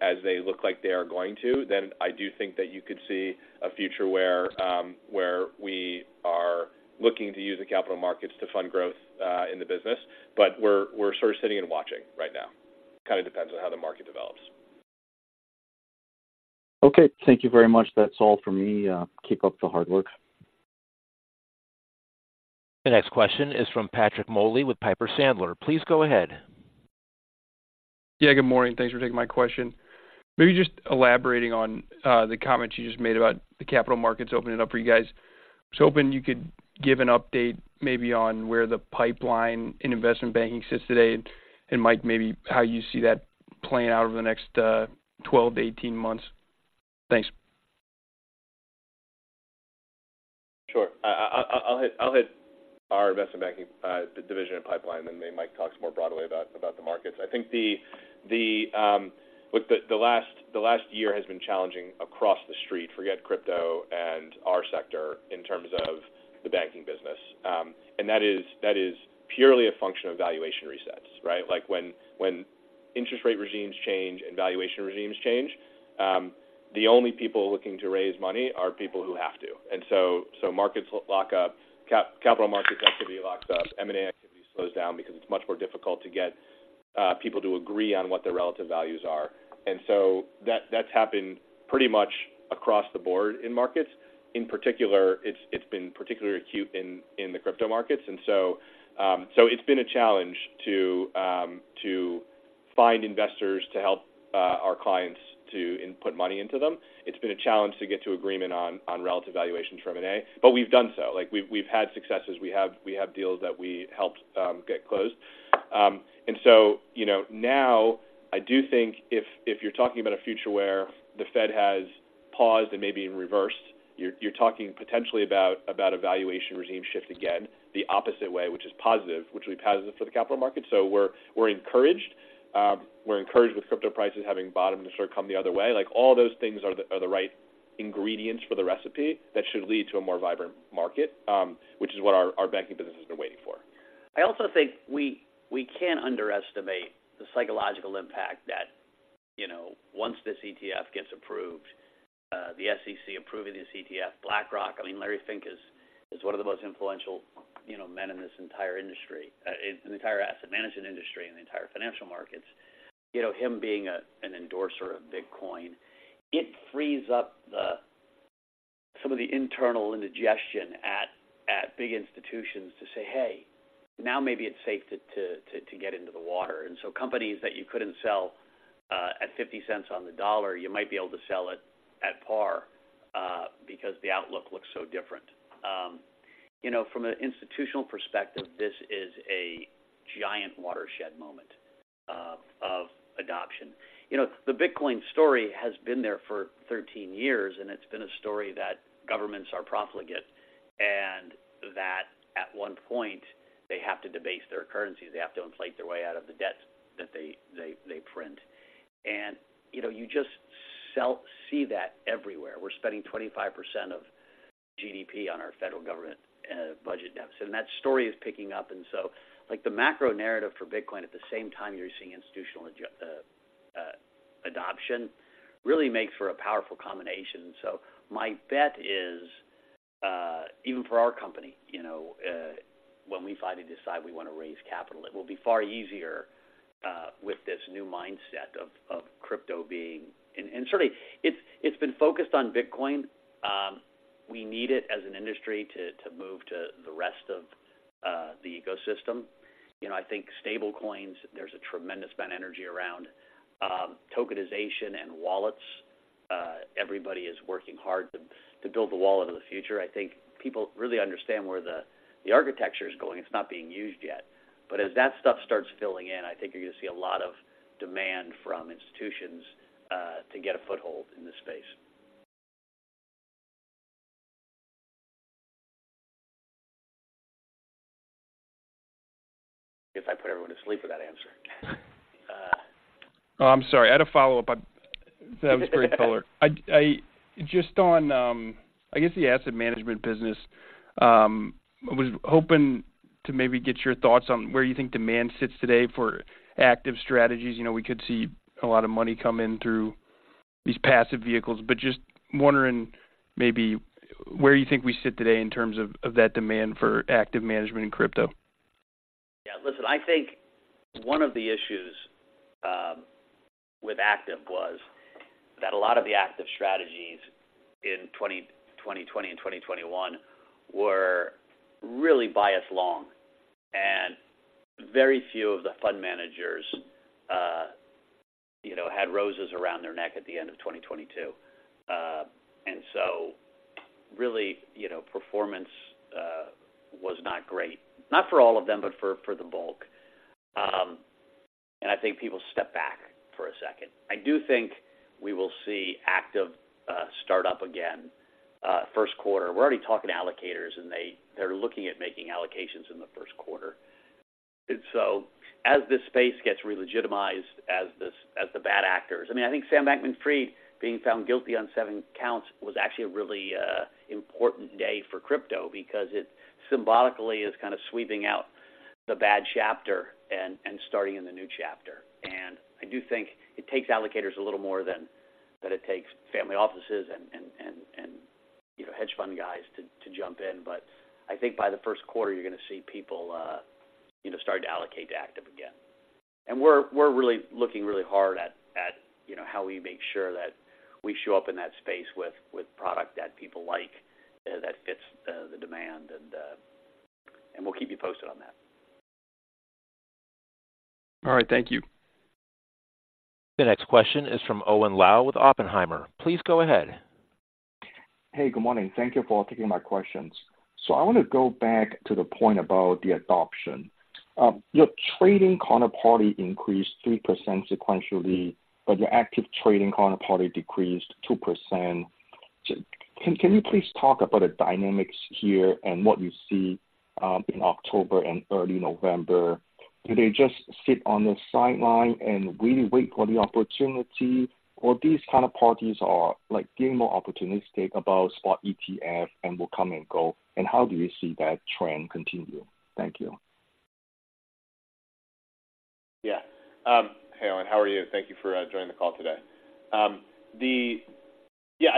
Speaker 4: as they look like they are going to, then I do think that you could see a future where we are looking to use the capital markets to fund growth in the business. But we're sort of sitting and watching right now. Kind of depends on how the market develops.
Speaker 9: Okay, thank you very much. That's all for me. Keep up the hard work.
Speaker 1: The next question is from Patrick Moley with Piper Sandler. Please go ahead.
Speaker 10: Yeah, good morning. Thanks for taking my question. Maybe just elaborating on the comments you just made about the capital markets opening up for you guys. I was hoping you could give an update maybe on where the pipeline in investment banking sits today, and, Mike, maybe how you see that playing out over the next 12-18 months. Thanks.
Speaker 4: Sure. I'll hit our investment banking division and pipeline, and then Mike talks more broadly about the markets. I think the last year has been challenging across the street, forget crypto and our sector, in terms of the banking business. And that is purely a function of valuation resets, right? Like, when interest rate regimes change and valuation regimes change, the only people looking to raise money are people who have to. And so markets lock up, capital markets activity locks up, M&A activity slows down because it's much more difficult to get people to agree on what their relative values are. And so that's happened pretty much across the board in markets. In particular, it's been particularly acute in the crypto markets. So it's been a challenge to find investors to help our clients to input money into them. It's been a challenge to get to agreement on relative valuations for M&A, but we've done so. Like, we've had successes. We have deals that we helped get closed. You know, now I do think if you're talking about a future where the Fed has paused and maybe in reverse, you're talking potentially about a valuation regime shift again, the opposite way, which is positive, which will be positive for the capital market. So we're encouraged. We're encouraged with crypto prices having bottomed and sort of come the other way. Like, all those things are the right ingredients for the recipe that should lead to a more vibrant market, which is what our banking business has been waiting for.
Speaker 3: I also think we can't underestimate the psychological impact that, you know, once this ETF gets approved, the SEC approving this ETF, BlackRock... I mean, Larry Fink is one of the most influential, you know, men in this entire industry, in the entire asset management industry and the entire financial markets. You know, him being a, an endorser of Bitcoin, it frees up the, some of the internal indigestion at, at big institutions to say, "Hey, now maybe it's safe to, to, to, to get into the water." And so companies that you couldn't sell, at $0.50 on the dollar, you might be able to sell it at par.... because the outlook looks so different. You know, from an institutional perspective, this is a giant watershed moment, of adoption. You know, the Bitcoin story has been there for 13 years, and it's been a story that governments are profligate, and that at one point, they have to debase their currencies. They have to inflate their way out of the debts that they print. And, you know, you just see that everywhere. We're spending 25% of GDP on our federal government budget deficit, and that story is picking up. And so, like, the macro narrative for Bitcoin, at the same time you're seeing institutional adoption, really makes for a powerful combination. So my bet is, even for our company, you know, when we finally decide we want to raise capital, it will be far easier, with this new mindset of crypto being... And certainly, it's been focused on Bitcoin. We need it as an industry to to move to the rest of the ecosystem. You know, I think stable coins, there's a tremendous amount of energy around tokenization and wallets. Everybody is working hard to to build the wallet of the future. I think people really understand where the the architecture is going. It's not being used yet. But as that stuff starts filling in, I think you're going to see a lot of demand from institutions to get a foothold in this space. I guess I put everyone to sleep with that answer.
Speaker 10: Oh, I'm sorry. I had a follow-up, but that was a great color. Just on, I guess, the asset management business, I was hoping to maybe get your thoughts on where you think demand sits today for active strategies. You know, we could see a lot of money come in through these passive vehicles, but just wondering maybe where you think we sit today in terms of that demand for active management in crypto.
Speaker 3: Yeah. Listen, I think one of the issues with active was that a lot of the active strategies in 2020 and 2021 were really biased long, and very few of the fund managers, you know, had roses around their neck at the end of 2022. And so really, you know, performance was not great. Not for all of them, but for the bulk. And I think people stepped back for a second. I do think we will see active start up again first quarter. We're already talking to allocators, and they're looking at making allocations in the first quarter. And so as this space gets relegitimized, as the bad actors... I mean, I think Sam Bankman-Fried being found guilty on seven counts was actually a really important day for crypto, because it symbolically is kind of sweeping out the bad chapter and starting in the new chapter. And I do think it takes allocators a little more than it takes family offices and, you know, hedge fund guys to jump in. But I think by the first quarter, you're gonna see people, you know, start to allocate to active again. And we're really looking really hard at, you know, how we make sure that we show up in that space with product that people like that fits the demand, and we'll keep you posted on that.
Speaker 10: All right, thank you.
Speaker 1: The next question is from Owen Lau with Oppenheimer. Please go ahead.
Speaker 11: Hey, good morning. Thank you for taking my questions. So I want to go back to the point about the adoption. Your trading counterparty increased 3% sequentially, but your active trading counterparty decreased 2%. So can, can you please talk about the dynamics here and what you see in October and early November? Do they just sit on the sideline and really wait for the opportunity, or these kind of parties are, like, being more opportunistic about spot ETF and will come and go, and how do you see that trend continue? Thank you.
Speaker 4: Yeah. Hey, Owen, how are you? Thank you for joining the call today. Yeah,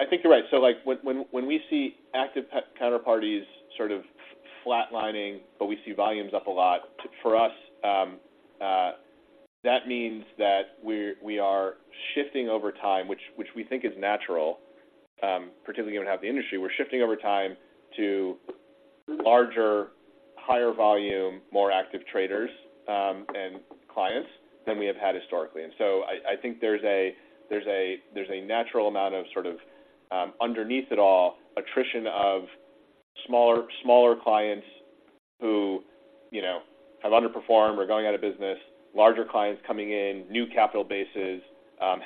Speaker 4: I think you're right. So, like, when we see active counterparties sort of flatlining, but we see volumes up a lot, for us, that means that we're, we are shifting over time, which we think is natural, particularly when half the industry, we're shifting over time to larger, higher volume, more active traders, and clients than we have had historically. And so I think there's a natural amount of sort of, underneath it all, attrition of smaller clients who, you know, have underperformed or going out of business, larger clients coming in, new capital bases,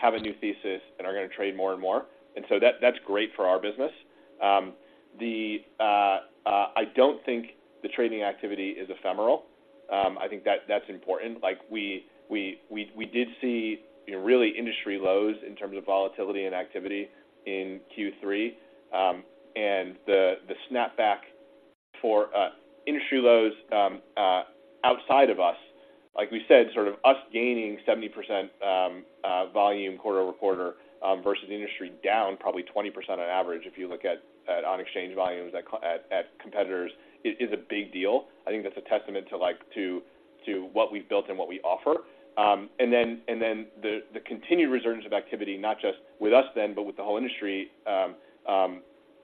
Speaker 4: have a new thesis and are going to trade more and more. And so that's great for our business. I don't think the trading activity is ephemeral. I think that's important. Like, we did see, you know, really industry lows in terms of volatility and activity in Q3. And the snapback for industry lows outside of us, like we said, sort of us gaining 70% volume quarter-over-quarter versus industry down probably 20% on average, if you look at on-exchange volumes at competitors, is a big deal. I think that's a testament to like what we've built and what we offer. And then the continued resurgence of activity, not just with us then, but with the whole industry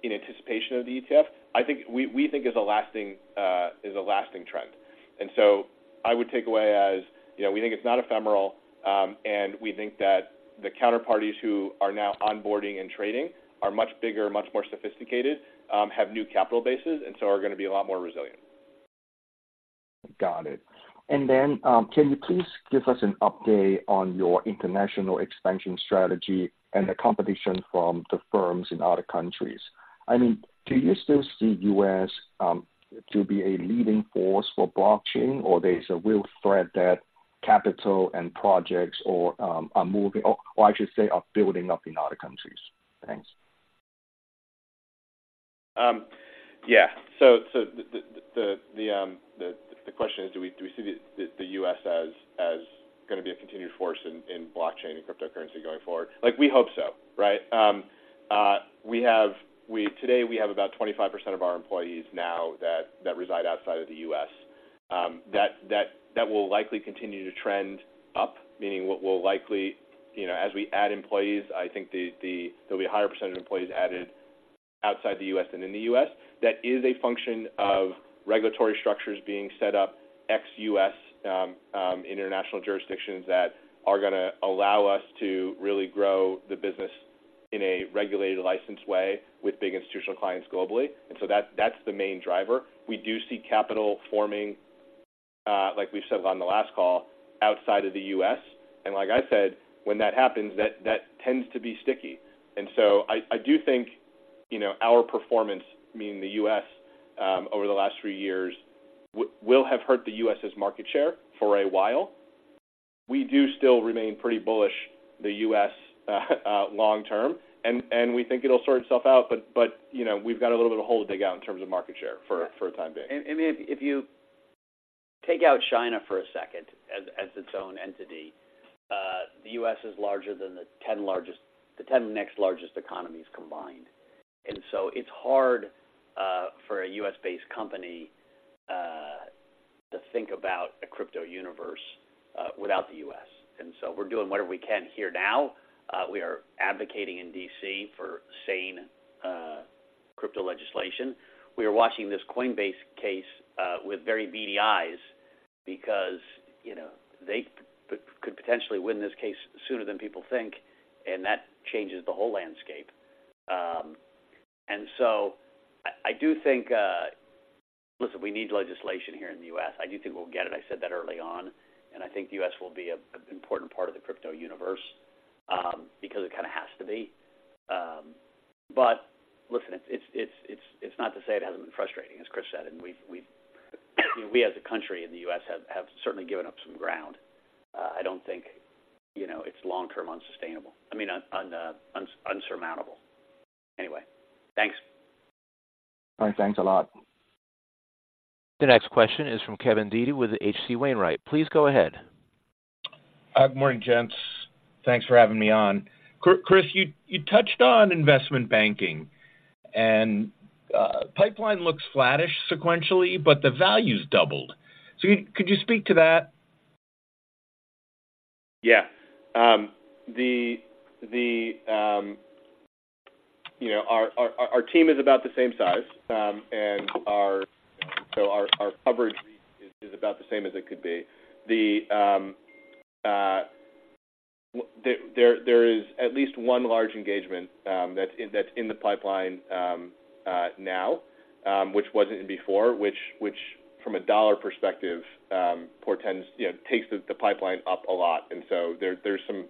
Speaker 4: in anticipation of the ETF, I think we think is a lasting trend. And so I would take away as, you know, we think it's not ephemeral, and we think that the counterparties who are now onboarding and trading are much bigger, much more sophisticated, have new capital bases, and so are going to be a lot more resilient.
Speaker 11: Got it. And then, can you please give us an update on your international expansion strategy and the competition from the firms in other countries? I mean, do you still see U.S. to be a leading force for blockchain, or there's a real threat that capital and projects are moving, or I should say, are building up in other countries? Thanks.
Speaker 4: Yeah. So, the question is, do we see the U.S. as gonna be a continued force in blockchain and cryptocurrency going forward? Like, we hope so, right? We have today, we have about 25% of our employees now that reside outside of the U.S. That will likely continue to trend up, meaning what we'll likely... You know, as we add employees, I think there'll be a higher percentage of employees added outside the U.S. than in the U.S. That is a function of regulatory structures being set up ex-U.S., international jurisdictions that are gonna allow us to really grow the business in a regulated license way with big institutional clients globally. And so that's the main driver. We do see capital forming, like we've said on the last call, outside of the U.S. And like I said, when that happens, that, that tends to be sticky. And so I, I do think, you know, our performance, meaning the U.S., over the last three years, will have hurt the U.S.'s market share for a while. We do still remain pretty bullish, the U.S., long term, and, and we think it'll sort itself out, but, but, you know, we've got a little bit of a hole to dig out in terms of market share for, for the time being.
Speaker 3: If you take out China for a second as its own entity, the U.S. is larger than the 10 next largest economies combined. So it's hard for a U.S.-based company to think about a crypto universe without the U.S. So we're doing whatever we can here now. We are advocating in D.C. for sane crypto legislation. We are watching this Coinbase case with very beady eyes because, you know, they could potentially win this case sooner than people think, and that changes the whole landscape. So I do think... Listen, we need legislation here in the U.S. I do think we'll get it. I said that early on, and I think the U.S. will be an important part of the crypto universe, because it kind of has to be. But listen, it's not to say it hasn't been frustrating, as Chris said, and we as a country in the U.S. have certainly given up some ground. I don't think, you know, it's long-term unsustainable. I mean, insurmountable. Anyway, thanks.
Speaker 11: All right, thanks a lot.
Speaker 1: The next question is from Kevin Dede with H.C. Wainwright. Please go ahead.
Speaker 12: Good morning, gents. Thanks for having me on. Chris, you touched on investment banking, and pipeline looks flattish sequentially, but the value's doubled. Could you speak to that?
Speaker 4: Yeah. You know, our team is about the same size, and so our coverage is about the same as it could be. There is at least one large engagement that's in the pipeline now, which wasn't in before, which from a dollar perspective portends, you know, takes the pipeline up a lot. And so there's some--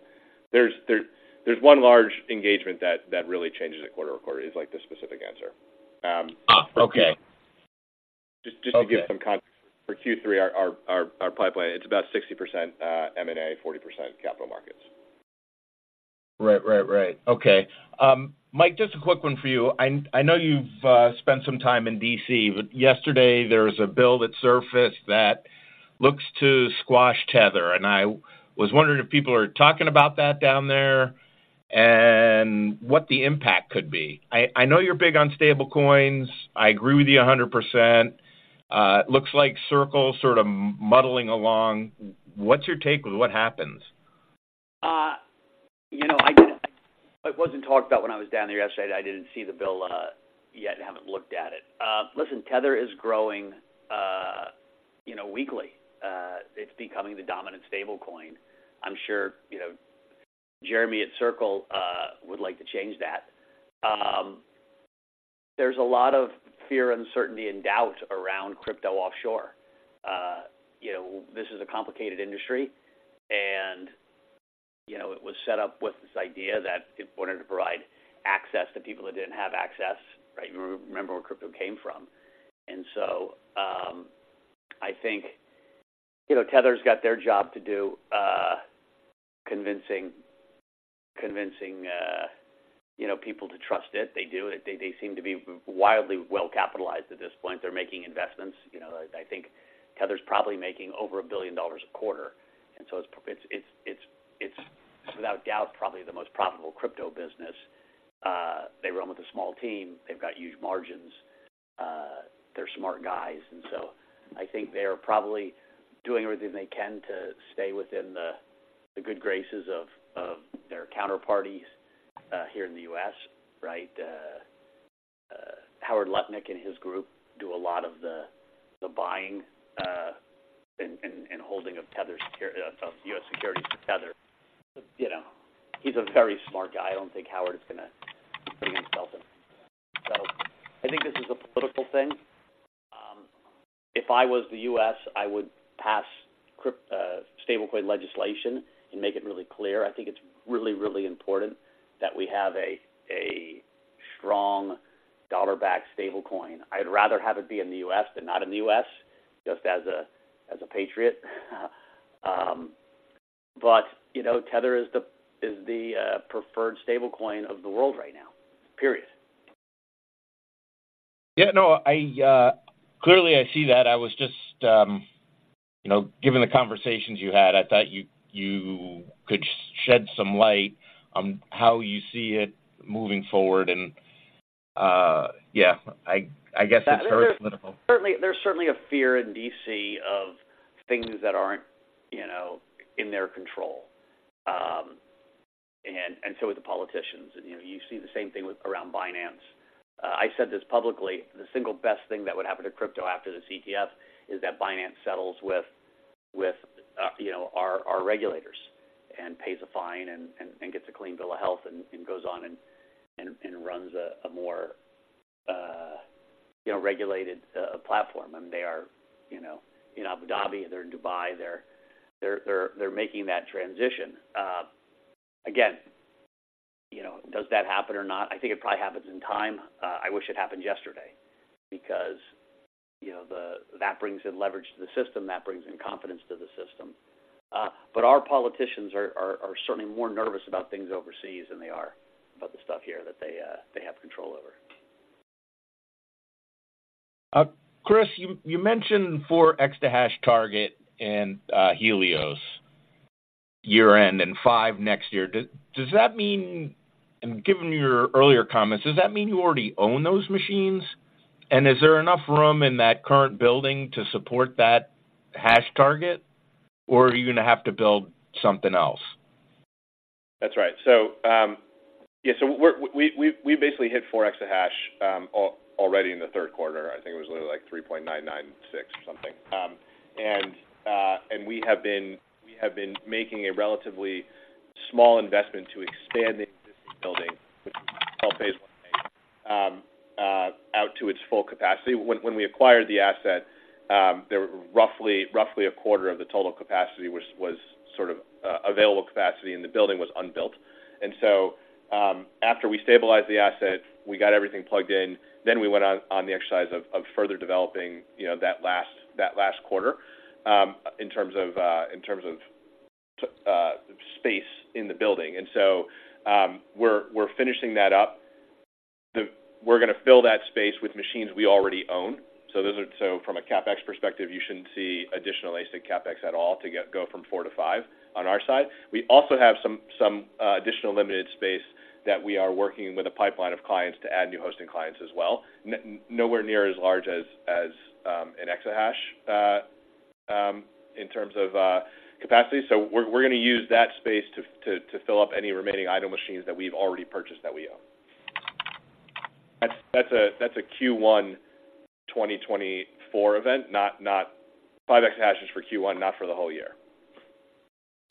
Speaker 4: there's one large engagement that really changes it quarter-over-quarter, is like the specific answer.
Speaker 12: Ah, okay.
Speaker 4: Just-
Speaker 12: Okay.
Speaker 4: For Q3, our pipeline, it's about 60% M&A, 40% capital markets.
Speaker 12: Right, right, right. Okay. Mike, just a quick one for you. I know you've spent some time in D.C., but yesterday there was a bill that surfaced that looks to squash Tether, and I was wondering if people are talking about that down there and what the impact could be. I know you're big on stablecoins. I agree with you 100%. It looks like Circle sort of muddling along. What's your take with what happens?
Speaker 3: You know, it wasn't talked about when I was down there yesterday. I didn't see the bill yet. I haven't looked at it. Listen, Tether is growing, you know, weekly. It's becoming the dominant stablecoin. I'm sure, you know, Jeremy at Circle would like to change that. There's a lot of fear, uncertainty, and doubt around crypto offshore. You know, this is a complicated industry, and, you know, it was set up with this idea that it wanted to provide access to people that didn't have access, right? You remember where crypto came from. So, I think, you know, Tether's got their job to do, convincing, you know, people to trust it. They do. They seem to be wildly well-capitalized at this point. They're making investments. You know, I think Tether's probably making over $1 billion a quarter, and so it's without a doubt, probably the most profitable crypto business. They run with a small team. They've got huge margins. They're smart guys, and so I think they are probably doing everything they can to stay within the good graces of their counterparties here in the U.S., right? Howard Lutnick and his group do a lot of the buying and holding of U.S. securities for Tether. You know, he's a very smart guy. I don't think Howard is gonna put himself in. So I think this is a political thing. If I was the U.S., I would pass stablecoin legislation and make it really clear. I think it's really, really important that we have a strong dollar-backed stablecoin. I'd rather have it be in the U.S. than not in the U.S., just as a patriot. But, you know, Tether is the preferred stablecoin of the world right now, period.
Speaker 12: Yeah, no, I clearly see that. I was just, you know, given the conversations you had, I thought you could shed some light on how you see it moving forward. Yeah, I guess it's very political.
Speaker 3: Certainly, there's certainly a fear in D.C. of things that aren't, you know, in their control. So are the politicians. You know, you see the same thing with around Binance. I said this publicly, the single best thing that would happen to crypto after the ETF is that Binance settles with you know, our regulators, and pays a fine and gets a clean bill of health and goes on and runs a more you know, regulated platform. They are, you know, in Abu Dhabi, they're in Dubai, making that transition. Again, you know, does that happen or not? I think it probably happens in time. I wish it happened yesterday because, you know, that brings in leverage to the system, that brings in confidence to the system. But our politicians are certainly more nervous about things overseas than they are about the stuff here that they have control over.
Speaker 12: Chris, you, you mentioned four exahash target and Helios year-end, and five next year. Do, does that mean... And given your earlier comments, does that mean you already own those machines? And is there enough room in that current building to support that hash target, or are you going to have to build something else?
Speaker 4: That's right. So, yeah, so we've basically hit four exahash already in the third quarter. I think it was literally like 3.996 or something. And we have been making a relatively small investment to expand the existing building, which is phase one, out to its full capacity. When we acquired the asset, there were roughly a quarter of the total capacity was sort of available capacity, and the building was unbuilt. And so, after we stabilized the asset, we got everything plugged in, then we went on the exercise of further developing, you know, that last quarter in terms of space in the building. And so, we're finishing that up. We're gonna fill that space with machines we already own. So from a CapEx perspective, you shouldn't see additional ASIC CapEx at all to get, go from four to five on our side. We also have some additional limited space that we are working with a pipeline of clients to add new hosting clients as well. Nowhere near as large as an exahash in terms of capacity. So we're gonna use that space to fill up any remaining idle machines that we've already purchased, that we own. That's a Q1 2024 event, not five exahash is for Q1, not for the whole year.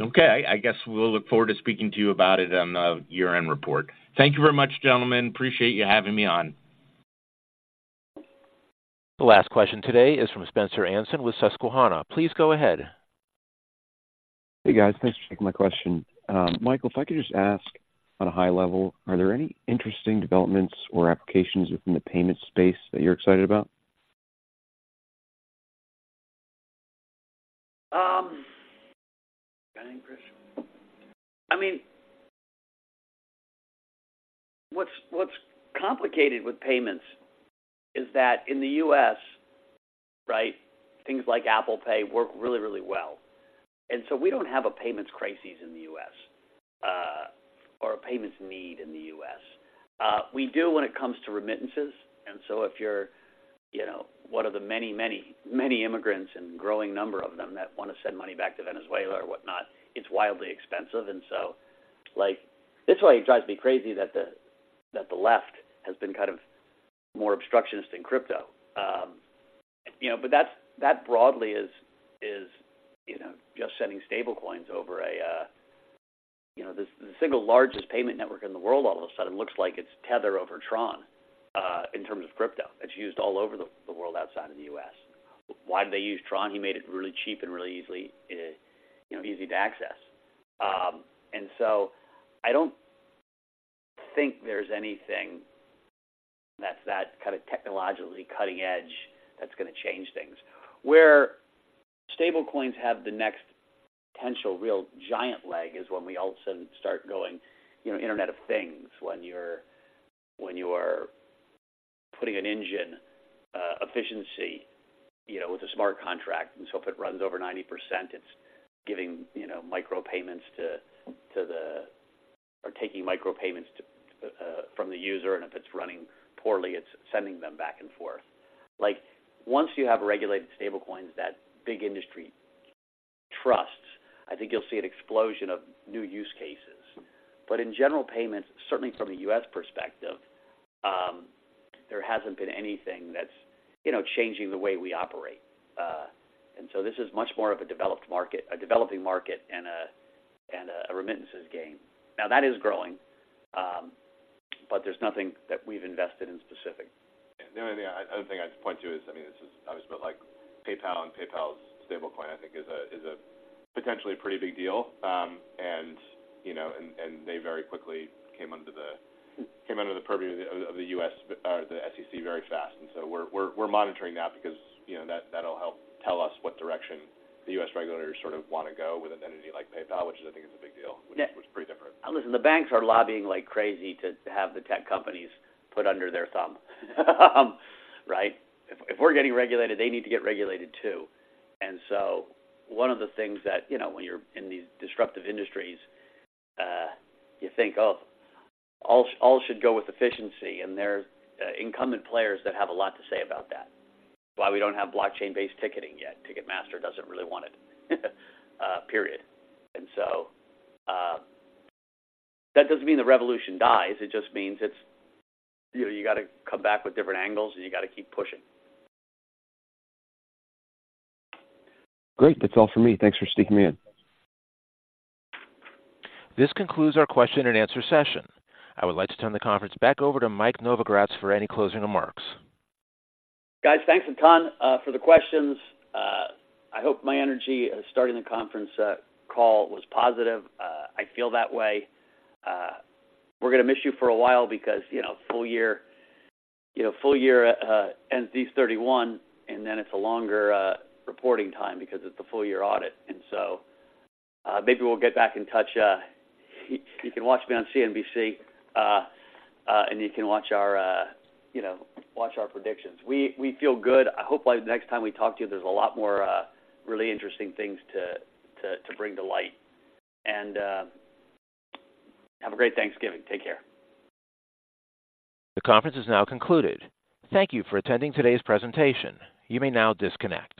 Speaker 12: Okay, I guess we'll look forward to speaking to you about it on the year-end report. Thank you very much, gentlemen. Appreciate you having me on.
Speaker 1: The last question today is from Spencer Anson with Susquehanna. Please go ahead.
Speaker 13: Hey, guys. Thanks for taking my question. Michael, if I could just ask, on a high level, are there any interesting developments or applications within the payment space that you're excited about?
Speaker 3: I think, Chris... I mean, what's, what's complicated with payments is that in the U.S., right, things like Apple Pay work really, really well. And so we don't have a payments crisis in the U.S., or a payments need in the U.S. We do when it comes to remittances, and so if you're, you know, one of the many, many, many immigrants and growing number of them that want to send money back to Venezuela or whatnot, it's wildly expensive. And so, like, this is why it drives me crazy that the, that the left has been kind of more obstructionist in crypto. You know, but that's, that broadly is, is, you know, just sending stablecoins over a... You know, the, the single largest payment network in the world all of a sudden looks like it's Tether over Tron in terms of crypto. It's used all over the world outside of the U.S. Why do they use Tron? He made it really cheap and really easily, you know, easy to access. And so I don't think there's anything that's that kind of technologically cutting edge that's gonna change things. Where stablecoins have the next potential real giant leg is when we all of a sudden start going, you know, Internet of Things. When you're putting an engine efficiency, you know, with a smart contract, and so if it runs over 90%, it's giving, you know, micropayments to the or taking micropayments to from the user, and if it's running poorly, it's sending them back and forth. Like, once you have regulated stablecoins, that big industry trusts, I think you'll see an explosion of new use cases. But in general payments, certainly from a U.S. perspective, there hasn't been anything that's, you know, changing the way we operate. And so this is much more of a developed market—a developing market and a, and a remittances game. Now, that is growing, but there's nothing that we've invested in specific.
Speaker 14: The only thing, other thing I'd point to is, I mean, this is obvious, but like PayPal and PayPal's stablecoin, I think is a potentially pretty big deal. And, you know, they very quickly came under the purview of the U.S., the SEC, very fast. And so we're monitoring that because, you know, that'll help tell us what direction the U.S. regulators sort of want to go with an entity like PayPal, which I think is a big deal.
Speaker 3: Yeah.
Speaker 14: Which is pretty different.
Speaker 3: Listen, the banks are lobbying like crazy to have the tech companies put under their thumb. Right. If if we're getting regulated, they need to get regulated too. And so one of the things that, you know, when you're in these disruptive industries, you think, "Oh, all all should go with efficiency." And there are incumbent players that have a lot to say about that. Why we don't have blockchain-based ticketing yet? Ticketmaster doesn't really want it, period. And so, that doesn't mean the revolution dies. It just means it's... You know, you got to come back with different angles, and you got to keep pushing.
Speaker 13: Great. That's all for me. Thanks for sneaking me in.
Speaker 1: This concludes our question and answer session. I would like to turn the conference back over to Mike Novogratz for any closing remarks.
Speaker 3: Guys, thanks a ton for the questions. I hope my energy starting the conference call was positive. I feel that way. We're gonna miss you for a while because, you know, full year, you know, full year ends this 31, and then it's a longer reporting time because it's a full year audit. And so, maybe we'll get back in touch. You can watch me on CNBC, and you can watch our, you know, watch our predictions. We feel good. I hope, like, the next time we talk to you, there's a lot more really interesting things to bring to light. And, have a great Thanksgiving. Take care.
Speaker 1: The conference is now concluded. Thank you for attending today's presentation. You may now disconnect.